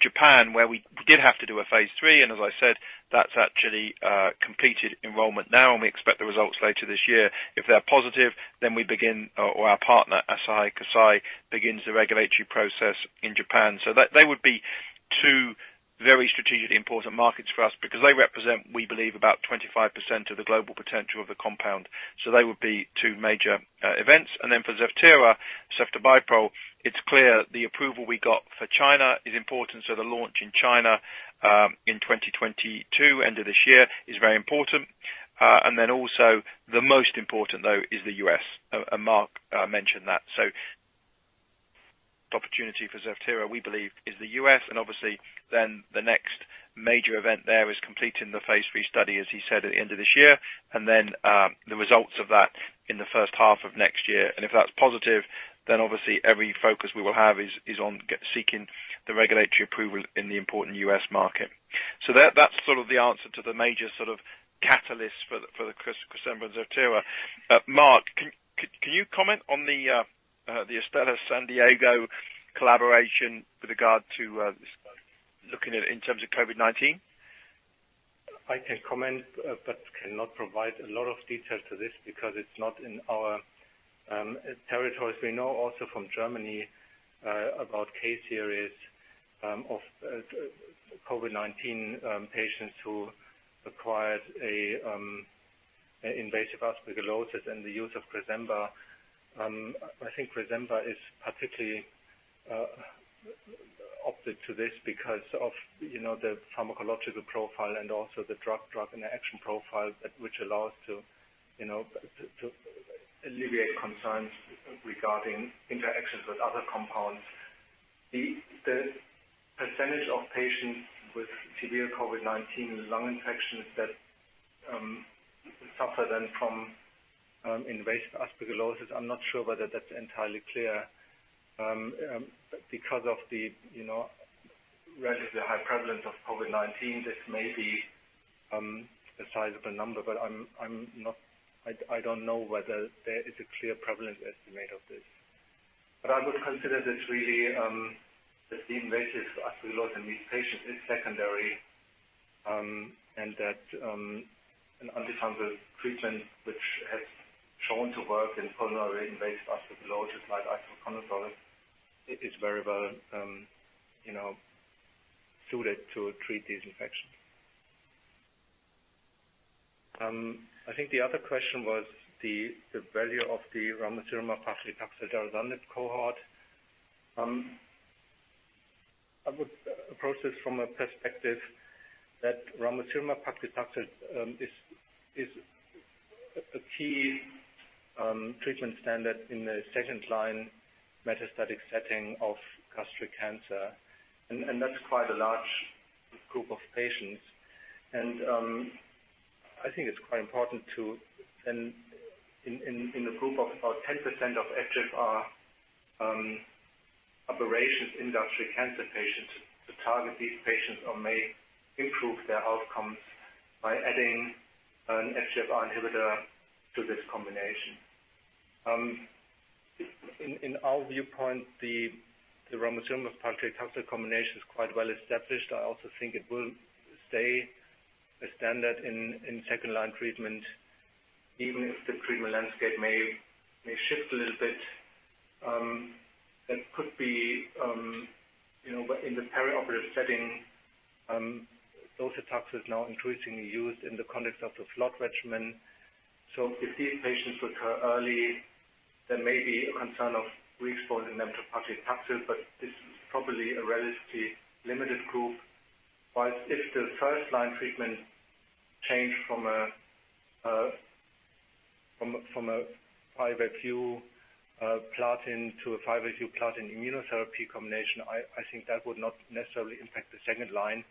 Japan, where we did have to do a phase III, and as I said, that's actually completed enrollment now, and we expect the results later this year. If they're positive, then we begin, or our partner, Eisai, begins the regulatory process in Japan. They would be two very strategically important markets for us because they represent, we believe, about 25% of the global potential of the compound. They would be two major events. For Zevtera, Ceftobiprole, it's clear the approval we got for China is important. The launch in China, in 2022, end of this year, is very important. Also the most important, though, is the U.S., and Marc mentioned that. The opportunity for Zevtera, we believe, is the U.S., obviously then the next major event there is completing the phase III study, as he said, at the end of this year. Then the results of that in the first half of next year. If that's positive, then obviously every focus we will have is on seeking the regulatory approval in the important U.S. market. That's sort of the answer to the major catalyst for the crizanlizumab-Zevtera. Marc, can you comment on the Astellas San Diego collaboration with regard to looking at it in terms of COVID-19? I can comment, but cannot provide a lot of detail to this because it is not in our territories. We know also from Germany about case series of COVID-19 patients who acquired an invasive aspergillosis and the use of Cresemba. I think Cresemba is particularly optic to this because of the pharmacological profile and also the drug-drug interaction profile, which allows to alleviate concerns regarding interactions with other compounds. The percentage of patients with severe COVID-19 lung infections that suffer then from invasive aspergillosis, I am not sure whether that is entirely clear. Because of the relatively high prevalence of COVID-19, this may be a sizable number, but I do not know whether there is a clear prevalence estimate of this. I would consider this really, that the invasive aspergillosis in these patients is secondary, and that an antifungal treatment which has shown to work in pulmonary invasive aspergillosis, like isavuconazole, is very well suited to treat these infections. I think the other question was the value of the ramucirumab-paclitaxel-derazantinib cohort. I would approach this from a perspective that ramucirumab-paclitaxel is a key treatment standard in the second-line metastatic setting of gastric cancer, and that's quite a large group of patients. I think it's quite important to, in the group of about 10% of FGFR alterations in gastric cancer patients, to target these patients or may improve their outcomes by adding an FGFR inhibitor to this combination. In our viewpoint, the ramucirumab-paclitaxel combination is quite well established. I also think it will stay a standard in second-line treatment, even if the treatment landscape may shift a little bit. That could be in the perioperative setting. docetaxel is now increasingly used in the context of the FLOT regimen. If these patients recur early, there may be a concern of re-exposing them to paclitaxel, but this is probably a relatively limited group. While if the first-line treatment changed from a 5-FU platinum to a 5-FU-platinum-immunotherapy combination, I think that would not necessarily impact the second line.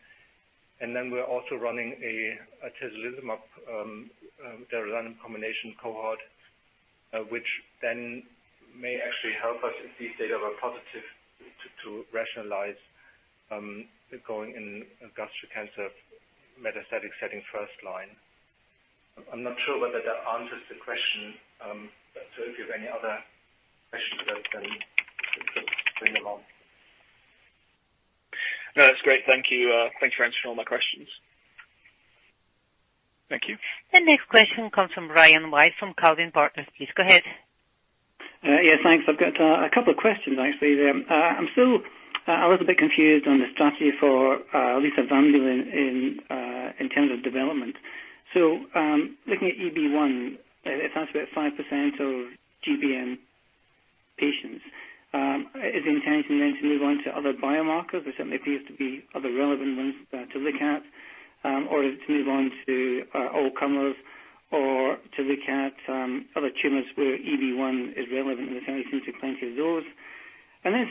We're also running an atezolizumab-durvalumab combination cohort, which may actually help us in these data were positive to rationalize going in gastric cancer metastatic setting first line. I'm not sure whether that answers the question. If you have any other questions about it, bring them on. No, that's great. Thank you. Thanks for answering all my questions. Thank you. The next question comes from Brian White from Calvine Partners. Please go ahead. Yeah, thanks. I've got a couple of questions, actually. I was a bit confused on the strategy for lisavanbulin in terms of development. Looking at EB1, it sounds about 5% of GBM patients. Is the intention then to move on to other biomarkers? There certainly appears to be other relevant ones to look at. Is it to move on to all-comers or to look at other tumors where EB1 is relevant and the intention to conquer those?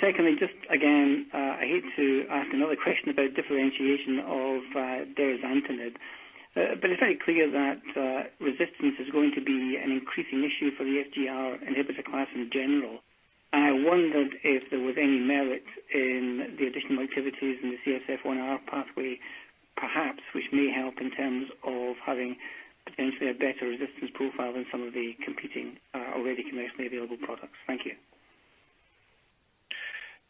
Secondly, just again, I hate to ask another question about differentiation of derazantinib. It's very clear that resistance is going to be an increasing issue for the FGFR inhibitor class in general. I wondered if there was any merit in the additional activities in the CSF1R pathway, perhaps, which may help in terms of having potentially a better resistance profile than some of the competing already commercially available products. Thank you.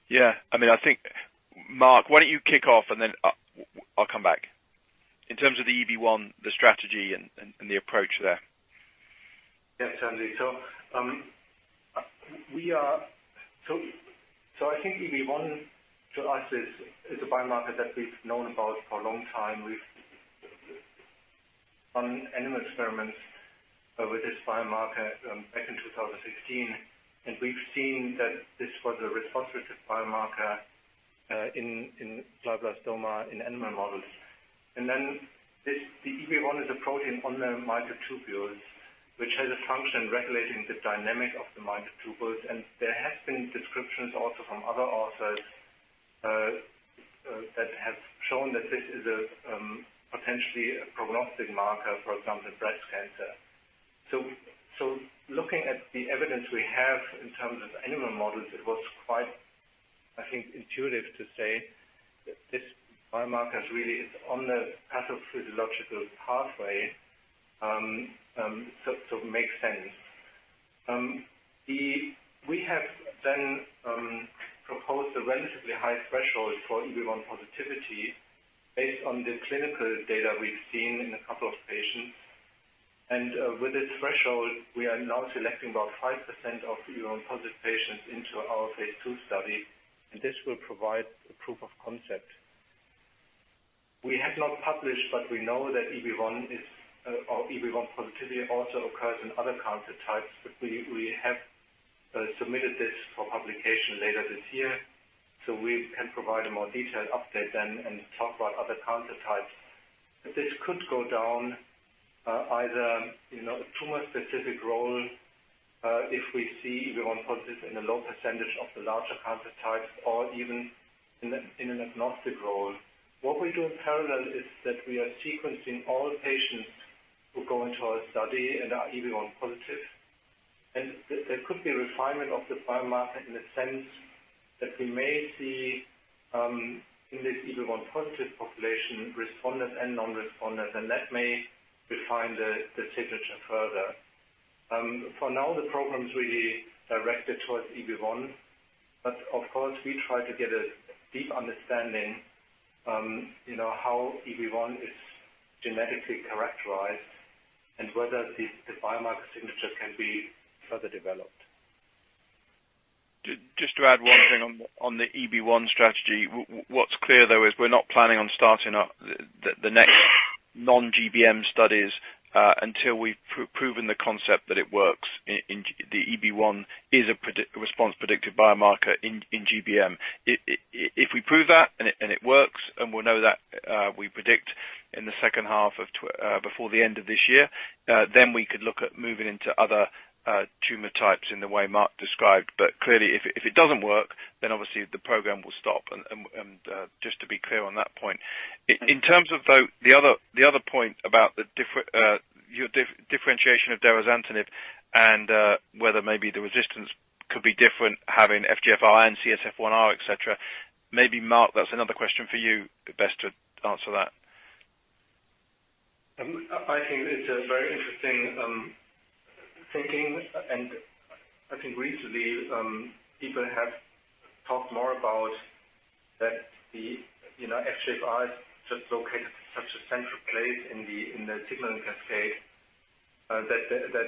Yeah. I think, Marc, why don't you kick off and then I'll come back. In terms of the EB1, the strategy, and the approach there. Yeah, certainly. I think EB1, to us, is a biomarker that we've known about for a long time. We've run animal experiments over this biomarker back in 2016, and we've seen that this was a responsive biomarker in glioblastoma in animal models. The EB1 is a protein on the microtubules, which has a function regulating the dynamic of the microtubules. There has been descriptions also from other authors that have shown that this is potentially a prognostic marker, for example, breast cancer. Looking at the evidence we have in terms of animal models, it was quite, I think, intuitive to say that this biomarker really is on the pathophysiological pathway, so it makes sense. We have then proposed a relatively high threshold for EB1 positivity based on the clinical data we've seen in a couple of patients. With this threshold, we are now selecting about 5% of EB1 positive patients into our phase II study, and this will provide a proof of concept. We have not published, but we know that EB1 positivity also occurs in other cancer types, but we have submitted this for publication later this year, so we can provide a more detailed update then and talk about other cancer types. This could go down either a tumor-specific role, if we see EB1 positive in a low percentage of the larger cancer types or even in an agnostic role. What we do in parallel is that we are sequencing all patients who go into our study and are EB1 positive. There could be a refinement of the biomarker in the sense that we may see in this EB1 positive population, responders and non-responders, and that may refine the signature further. For now, the program is really directed towards EB1, but of course, we try to get a deep understanding how EB1 is genetically characterized and whether the biomarker signature can be further developed. Just to add one thing on the EB1 strategy. What's clear, though, is we're not planning on starting up the next non-GBM studies until we've proven the concept that it works, the EB1 is a response predictive biomarker in GBM. If we prove that and it works, and we'll know that we predict in the second half of before the end of this year, then we could look at moving into other tumor types in the way Marc described. Clearly, if it doesn't work, then obviously the program will stop. Just to be clear on that point. In terms of, though, the other point about your differentiation of derazantinib and whether maybe the resistance could be different having FGFR1 and CSF1R, et cetera. Maybe, Marc, that's another question for you. Best to answer that. I think it's a very interesting thinking, and I think recently, people have talked more about that the FGFR just located such a central place in the signaling cascade.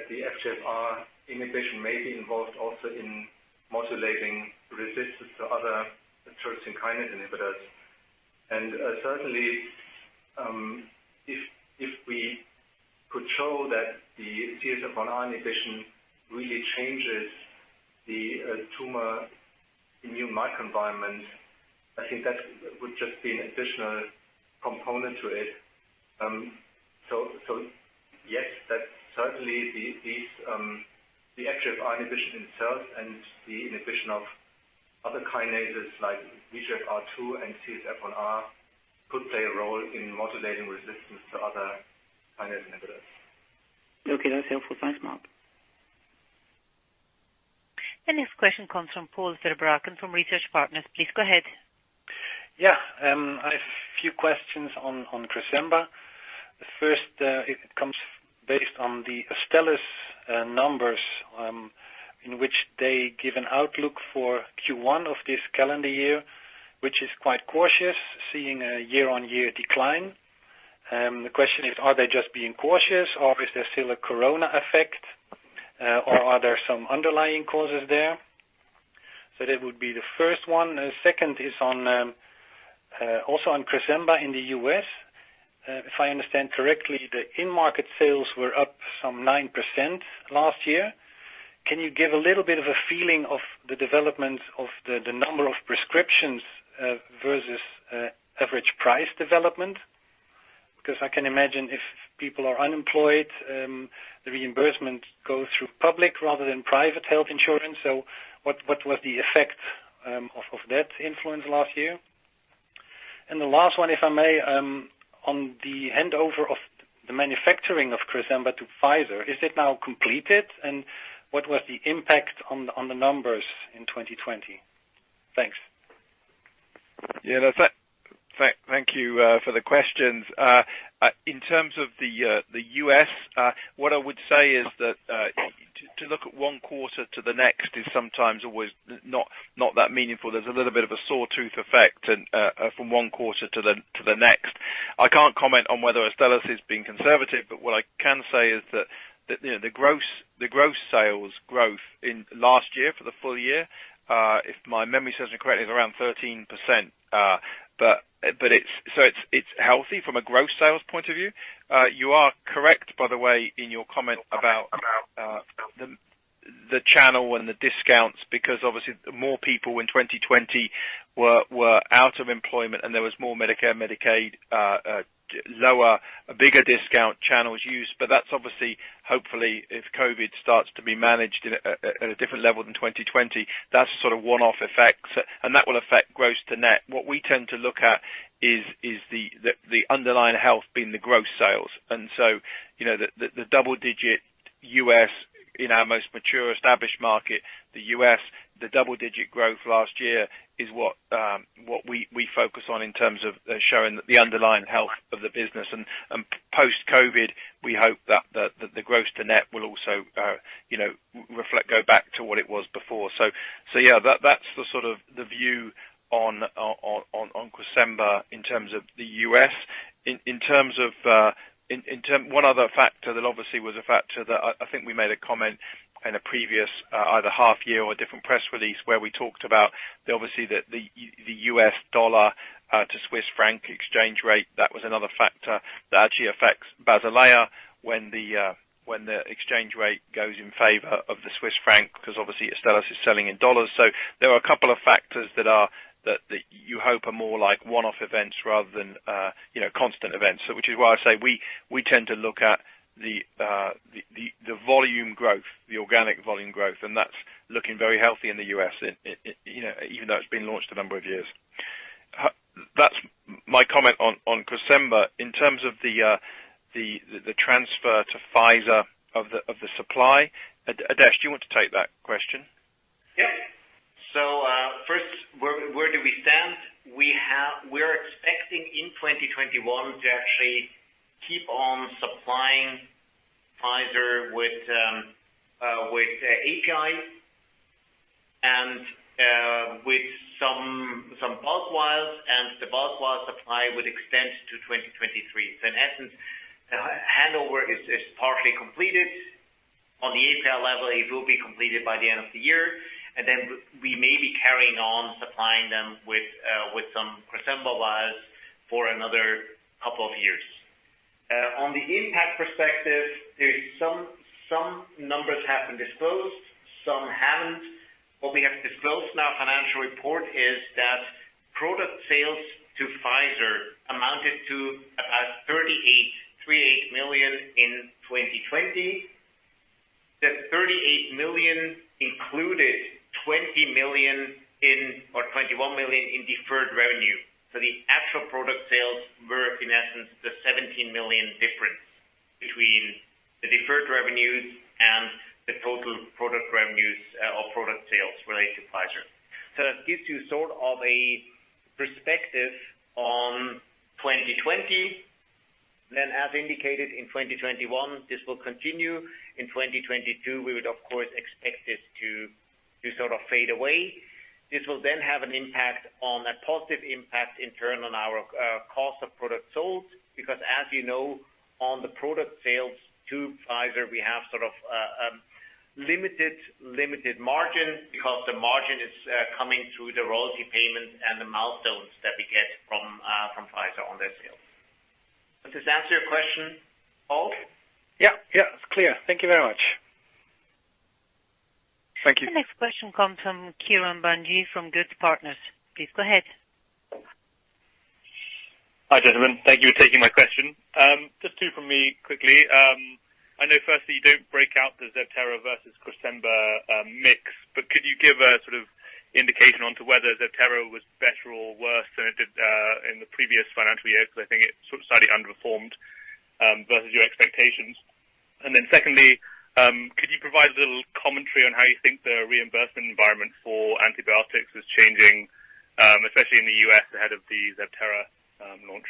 The FGFR inhibition may be involved also in modulating resistance to other tyrosine kinase inhibitors. Certainly, if we could show that the CSF1R inhibition really changes the tumor immune microenvironment, I think that would just be an additional component to it. Yes, that certainly the FGFR inhibition itself and the inhibition of other kinases like FGFR2 and CSF1R could play a role in modulating resistance to other kinase inhibitors. Okay. That's helpful. Thanks, Marc. The next question comes from Paul Verbraeken from Research Partners. Please go ahead. I have a few questions on Cresemba. First, it comes based on the Astellas numbers, in which they give an outlook for Q1 of this calendar year, which is quite cautious, seeing a year-on-year decline. The question is, are they just being cautious, or is there still a corona effect, or are there some underlying causes there? That would be the first one. The second is also on Cresemba in the U.S. If I understand correctly, the in-market sales were up some 9% last year. Can you give a little bit of a feeling of the development of the number of prescriptions versus average price development? I can imagine if people are unemployed, the reimbursement goes through public rather than private health insurance. What was the effect of that influence last year? The last one, if I may, on the handover of the manufacturing of Cresemba to Pfizer, is it now completed? What was the impact on the numbers in 2020? Thanks. Thank you for the questions. In terms of the U.S., what I would say is that to look at one quarter to the next is sometimes always not that meaningful. There's a little bit of a sore tooth effect from one quarter to the next. I can't comment on whether Astellas is being conservative, but what I can say is that the gross sales growth in last year for the full year, if my memory serves me correctly, is around 13%. It's healthy from a gross sales point of view. You are correct, by the way, in your comment about the channel and the discounts, because obviously more people in 2020 were out of employment, and there was more Medicare, Medicaid, lower, bigger discount channels used. That's obviously, hopefully, if COVID starts to be managed at a different level than 2020, that's sort of one-off effects, and that will affect gross to net. What we tend to look at is the underlying health being the gross sales. In our most mature, established market, the U.S., the double-digit growth last year is what we focus on in terms of showing the underlying health of the business. Post-COVID, we hope that the gross to net will also go back to what it was before. That's the view on Cresemba in terms of the U.S. One other factor that obviously was a factor that I think we made a comment in a previous either half year or a different press release, where we talked about obviously the U.S. dollar to Swiss franc exchange rate. That was another factor that actually affects Basilea when the exchange rate goes in favor of the Swiss franc, because obviously Astellas is selling in dollars. There are a couple of factors that you hope are more like one-off events rather than constant events. Which is why I say we tend to look at the volume growth, the organic volume growth, and that's looking very healthy in the U.S. even though it's been launched a number of years. That's my comment on Cresemba. In terms of the transfer to Pfizer of the supply, Adesh, do you want to take that question? First, where do we stand? We're expecting in 2021 to actually keep on supplying Pfizer with API and with some bulk vials, and the bulk vial supply would extend to 2023. In essence, the handover is partially completed. On the API level, it will be completed by the end of the year. Then we may be carrying on supplying them with some Cresemba vials for another couple of years. On the impact perspective, some numbers have been disclosed, some haven't. What we have disclosed in our financial report is that product sales to Pfizer amounted to about 38 million in 2020. That 38 million included 20 million or 21 million in deferred revenue. The actual product sales were, in essence, the 17 million difference between the deferred revenues and the total product revenues or product sales related to Pfizer. That gives you sort of a perspective on 2020. As indicated in 2021, this will continue. In 2022, we would, of course, expect this to sort of fade away. This will have a positive impact in turn on our cost of product sold, because as you know, on the product sales to Pfizer, we have sort of limited margin because the margin is coming through the royalty payments and the milestones that we get from Pfizer on their sales. Does this answer your question, Paul? Yeah. It's clear. Thank you very much. Thank you. The next question comes from Kieran Bunge from ODDO Partners. Please go ahead. Hi, gentlemen. Thank you for taking my question. Just two from me quickly. I know, firstly, you don't break out the Zevtera versus Cresemba mix, but could you give a sort of indication onto whether Zevtera was better or worse than it did in the previous financial year? I think it sort of slightly underperformed versus your expectations. Secondly, could you provide a little commentary on how you think the reimbursement environment for antibiotics is changing, especially in the U.S. ahead of the Zevtera launch?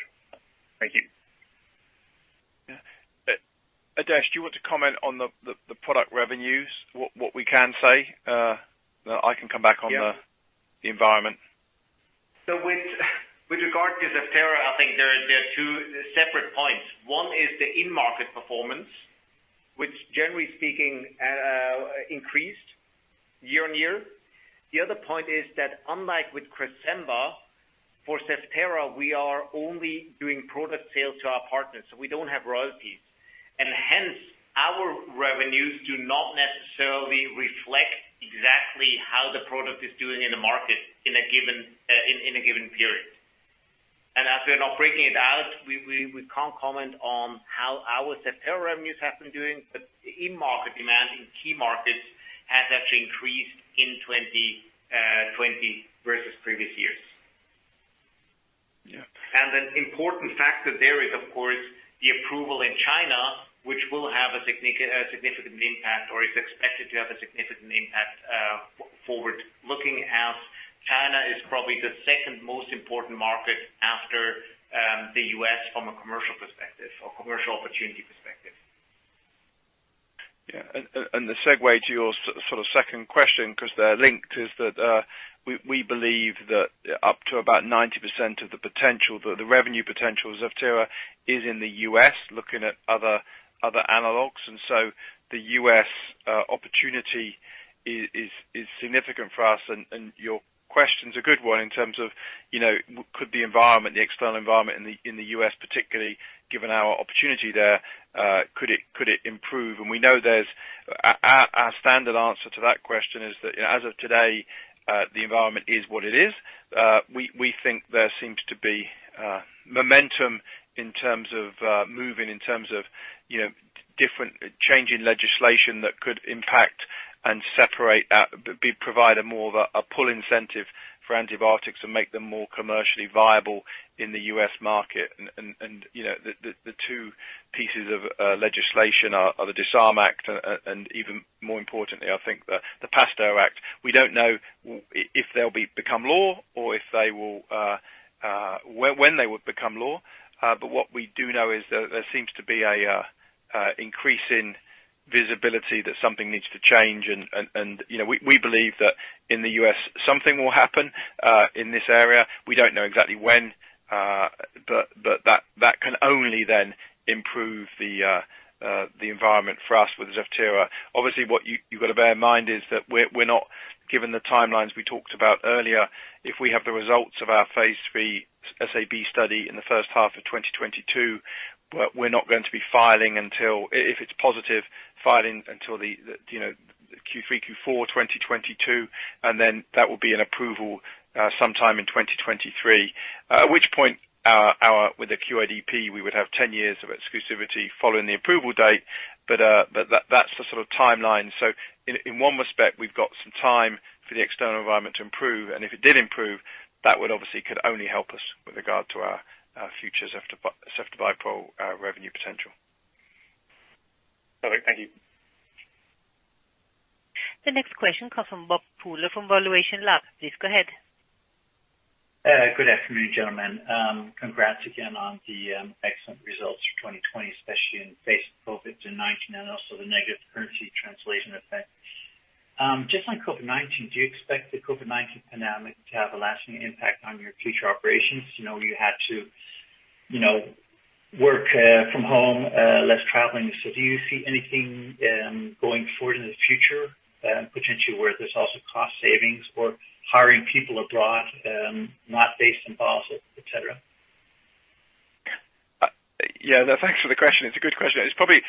Thank you. Yeah. Adesh, do you want to comment on the product revenues? What we can say. Yeah The environment. With regard to Zevtera, I think there are two separate points. One is the in-market performance, which generally speaking increased year-on-year. The other point is that unlike with Cresemba, for Zevtera, we are only doing product sales to our partners, so we don't have royalties. Hence, our revenues do not necessarily reflect exactly how the product is doing in the market in a given period. As we are not breaking it out, we can't comment on how our Zevtera revenues have been doing. In-market demand in key markets has actually increased in 2020 versus previous years. An important factor there is, of course, the approval in China, which will have a significant impact or is expected to have a significant impact forward looking, as China is probably the second most important market after the U.S. from a commercial perspective or commercial opportunity perspective. Yeah. The segue to your sort of second question, because they're linked, is that we believe that up to about 90% of the potential, the revenue potential of Zevtera, is in the U.S. looking at other analogs. The U.S. opportunity is significant for us, and your question's a good one in terms of could the environment, the external environment in the U.S. particularly, given our opportunity there, could it improve? We know our standard answer to that question is that as of today, the environment is what it is. We think there seems to be momentum in terms of moving, in terms of change in legislation that could impact and separate out, provide more of a pull incentive for antibiotics and make them more commercially viable in the U.S. market. The two pieces of legislation are the DISARM Act, and even more importantly, I think the PASTEUR Act. We don't know if they'll become law or when they would become law. What we do know is that there seems to be an increase in visibility that something needs to change, and we believe that in the U.S., something will happen, in this area. We don't know exactly when. That can only then improve the environment for us with Zevtera. Obviously, what you've got to bear in mind is that we're not given the timelines we talked about earlier. If we have the results of our phase III SAB study in the first half of 2022, we're not going to be filing until, if it's positive, filing until the Q3, Q4 2022, and then that will be in approval sometime in 2023. At which point, with the QIDP, we would have 10 years of exclusivity following the approval date. That's the sort of timeline. In one respect, we've got some time for the external environment to improve, and if it did improve, that would obviously could only help us with regard to our future Ceftobiprole revenue potential. Okay, thank you. The next question comes from Bob Pooler from valuationLAB. Please go ahead. Good afternoon, gentlemen. Congrats again on the excellent results for 2020, especially in the face of COVID-19 and also the negative currency translation effect. Just on COVID-19, do you expect the COVID-19 pandemic to have a lasting impact on your future operations? You had to work from home, less traveling. Do you see anything, going forward in the future, potentially where there's also cost savings or hiring people abroad, not based in Basel, et cetera? Yeah. No, thanks for the question. It's a good question. It's probably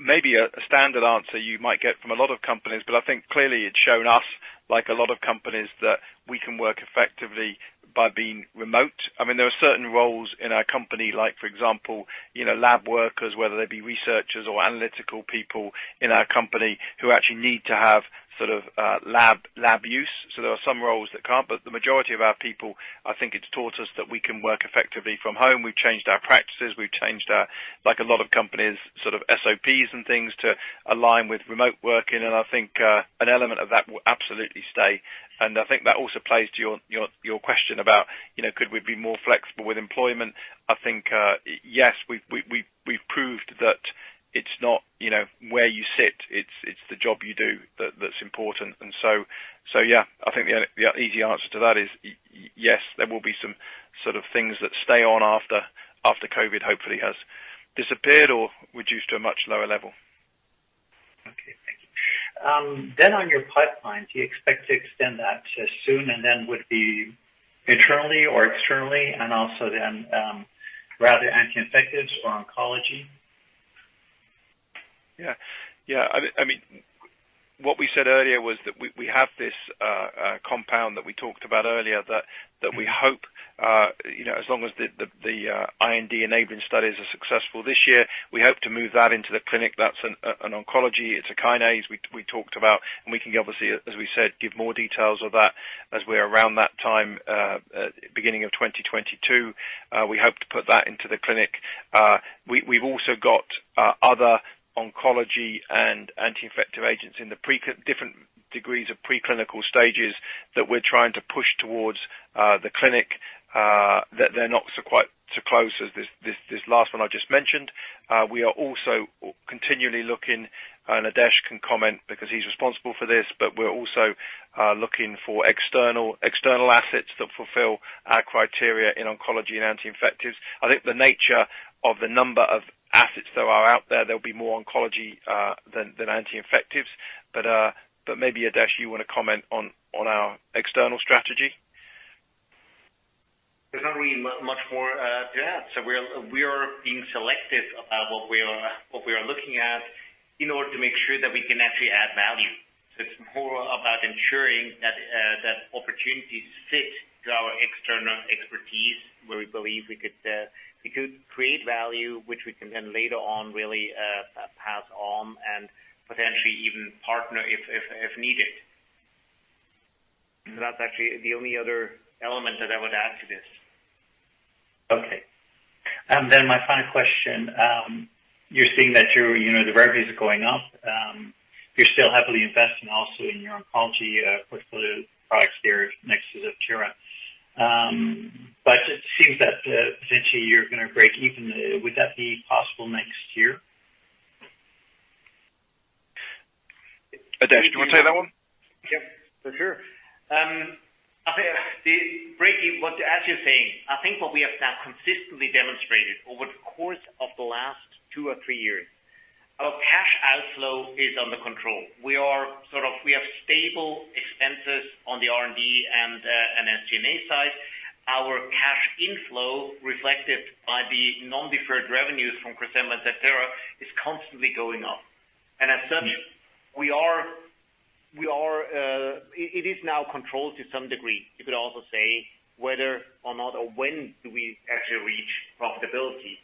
maybe a standard answer you might get from a lot of companies, but I think clearly it's shown us, like a lot of companies, that we can work effectively by being remote. There are certain roles in our company, like for example, lab workers, whether they be researchers or analytical people in our company who actually need to have lab use. There are some roles that can't, but the majority of our people, I think it's taught us that we can work effectively from home. We've changed our practices. We've changed our, like a lot of companies, SOPs and things to align with remote working, and I think an element of that will absolutely stay. I think that also plays to your question about could we be more flexible with employment? I think, yes, we've proved that it's not where you sit, it's the job you do that's important. Yeah. I think the easy answer to that is yes, there will be some sort of things that stay on after COVID hopefully has disappeared or reduced to a much lower level. Okay, thank you. On your pipeline, do you expect to extend that soon, and would it be internally or externally, and also, rather anti-infectives or oncology? What we said earlier was that we have this compound that we talked about earlier that we hope, as long as the IND-enabling studies are successful this year, we hope to move that into the clinic. That's an oncology. It's a kinase we talked about, we can obviously, as we said, give more details of that as we're around that time, beginning of 2022. We hope to put that into the clinic. We've also got other oncology and anti-infective agents in different degrees of preclinical stages that we're trying to push towards the clinic, that they're not quite so close as this last one I just mentioned. We are also continually looking, Adesh can comment because he's responsible for this, we're also looking for external assets that fulfill our criteria in oncology and anti-infectives. I think the nature of the number of assets that are out there'll be more oncology than anti-infectives. Maybe Adesh, you want to comment on our external strategy? There's not really much more to add. We are being selective about what we are looking at in order to make sure that we can actually add value. It's more about ensuring that opportunities fit to our external expertise, where we believe we could create value, which we can then later on really pass on and potentially even partner if needed. That's actually the only other element that I would add to this. My final question. You're seeing that your revenues are going up. You're still heavily investing also in your oncology portfolio products there next to Zevtera. It seems that potentially you're going to break even. Would that be possible next year? Adesh, do you want to take that one? Yep. For sure. As you're saying, I think what we have now consistently demonstrated over the course of the last two or three years, our cash outflow is under control. We have stable expenses on the R&D and SG&A side. Our cash inflow reflected by the non-deferred revenues from Cresemba and Zevtera is constantly going up. As such, it is now controlled to some degree. You could also say whether or not, or when do we actually reach profitability.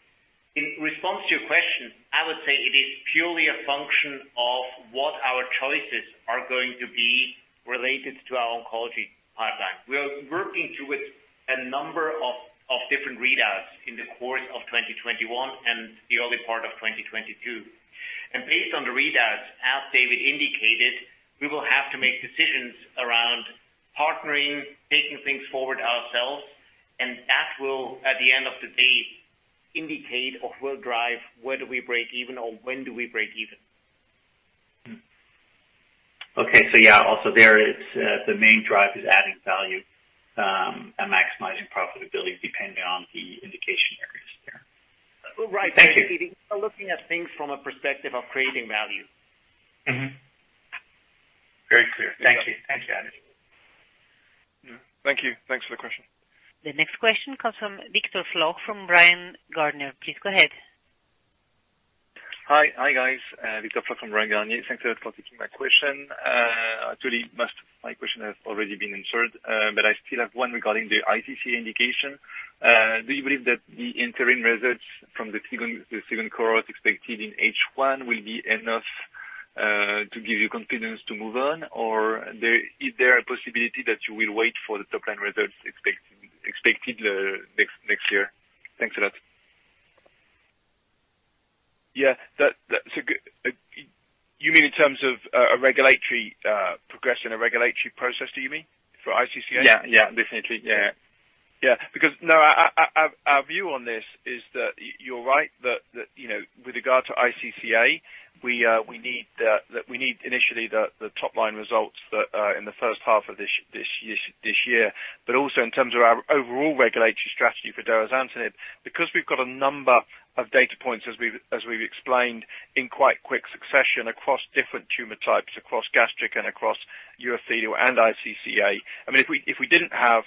In response to your question, I would say it is purely a function of what our choices are going to be related to our oncology pipeline. We are working towards a number of different readouts in the course of 2021 and the early part of 2022. Based on the readouts, as David indicated, we will have to make decisions around partnering, taking things forward ourselves, and that will, at the end of the day, indicate or will drive whether we break even or when do we break even. Okay. Yeah, also there the main drive is adding value, and maximizing profitability depending on the indication areas there. Right. We are looking at things from a perspective of creating value. Very clear. Thank you. Thanks, Adesh. Yeah. Thank you. Thanks for the question. The next question comes from Victor Floc'h from Bryan Garnier. Please go ahead. Hi, guys. Victor Floc'h from Bryan Garnier. Thanks a lot for taking my question. Actually, most of my question has already been answered, but I still have one regarding the iCCA indication. Do you believe that the interim results from the second cohort expected in H1 will be enough to give you confidence to move on? Is there a possibility that you will wait for the top-line results expected next year? Thanks a lot. Yeah. You mean in terms of a regulatory progression, a regulatory process, do you mean, for iCCA? Yeah. Definitely. Yeah. Yeah. No, our view on this is that you're right, that with regard to iCCA, we need initially the top-line results in the first half of this year, but also in terms of our overall regulatory strategy for derazantinib, because we've got a number of data points as we've explained in quite quick succession across different tumor types, across gastric and across urothelial and iCCA. If we didn't have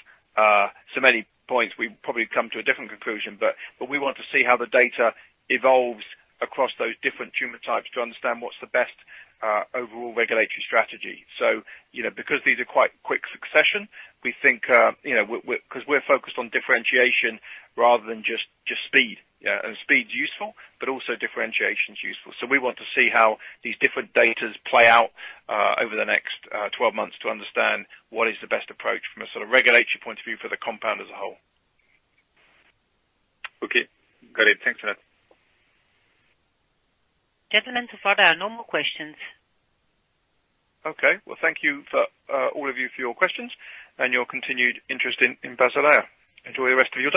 so many points, we'd probably come to a different conclusion, but we want to see how the data evolves across those different tumor types to understand what's the best overall regulatory strategy. Because these are quite quick succession, we think because we're focused on differentiation rather than just speed. Yeah. Speed's useful, but also differentiation's useful. We want to see how these different datas play out over the next 12 months to understand what is the best approach from a sort of regulatory point of view for the compound as a whole. Okay. Got it. Thanks a lot. Gentlemen, so far there are no more questions. Okay. Well, thank you all of you for your questions and your continued interest in Basilea. Enjoy the rest. [inaudible]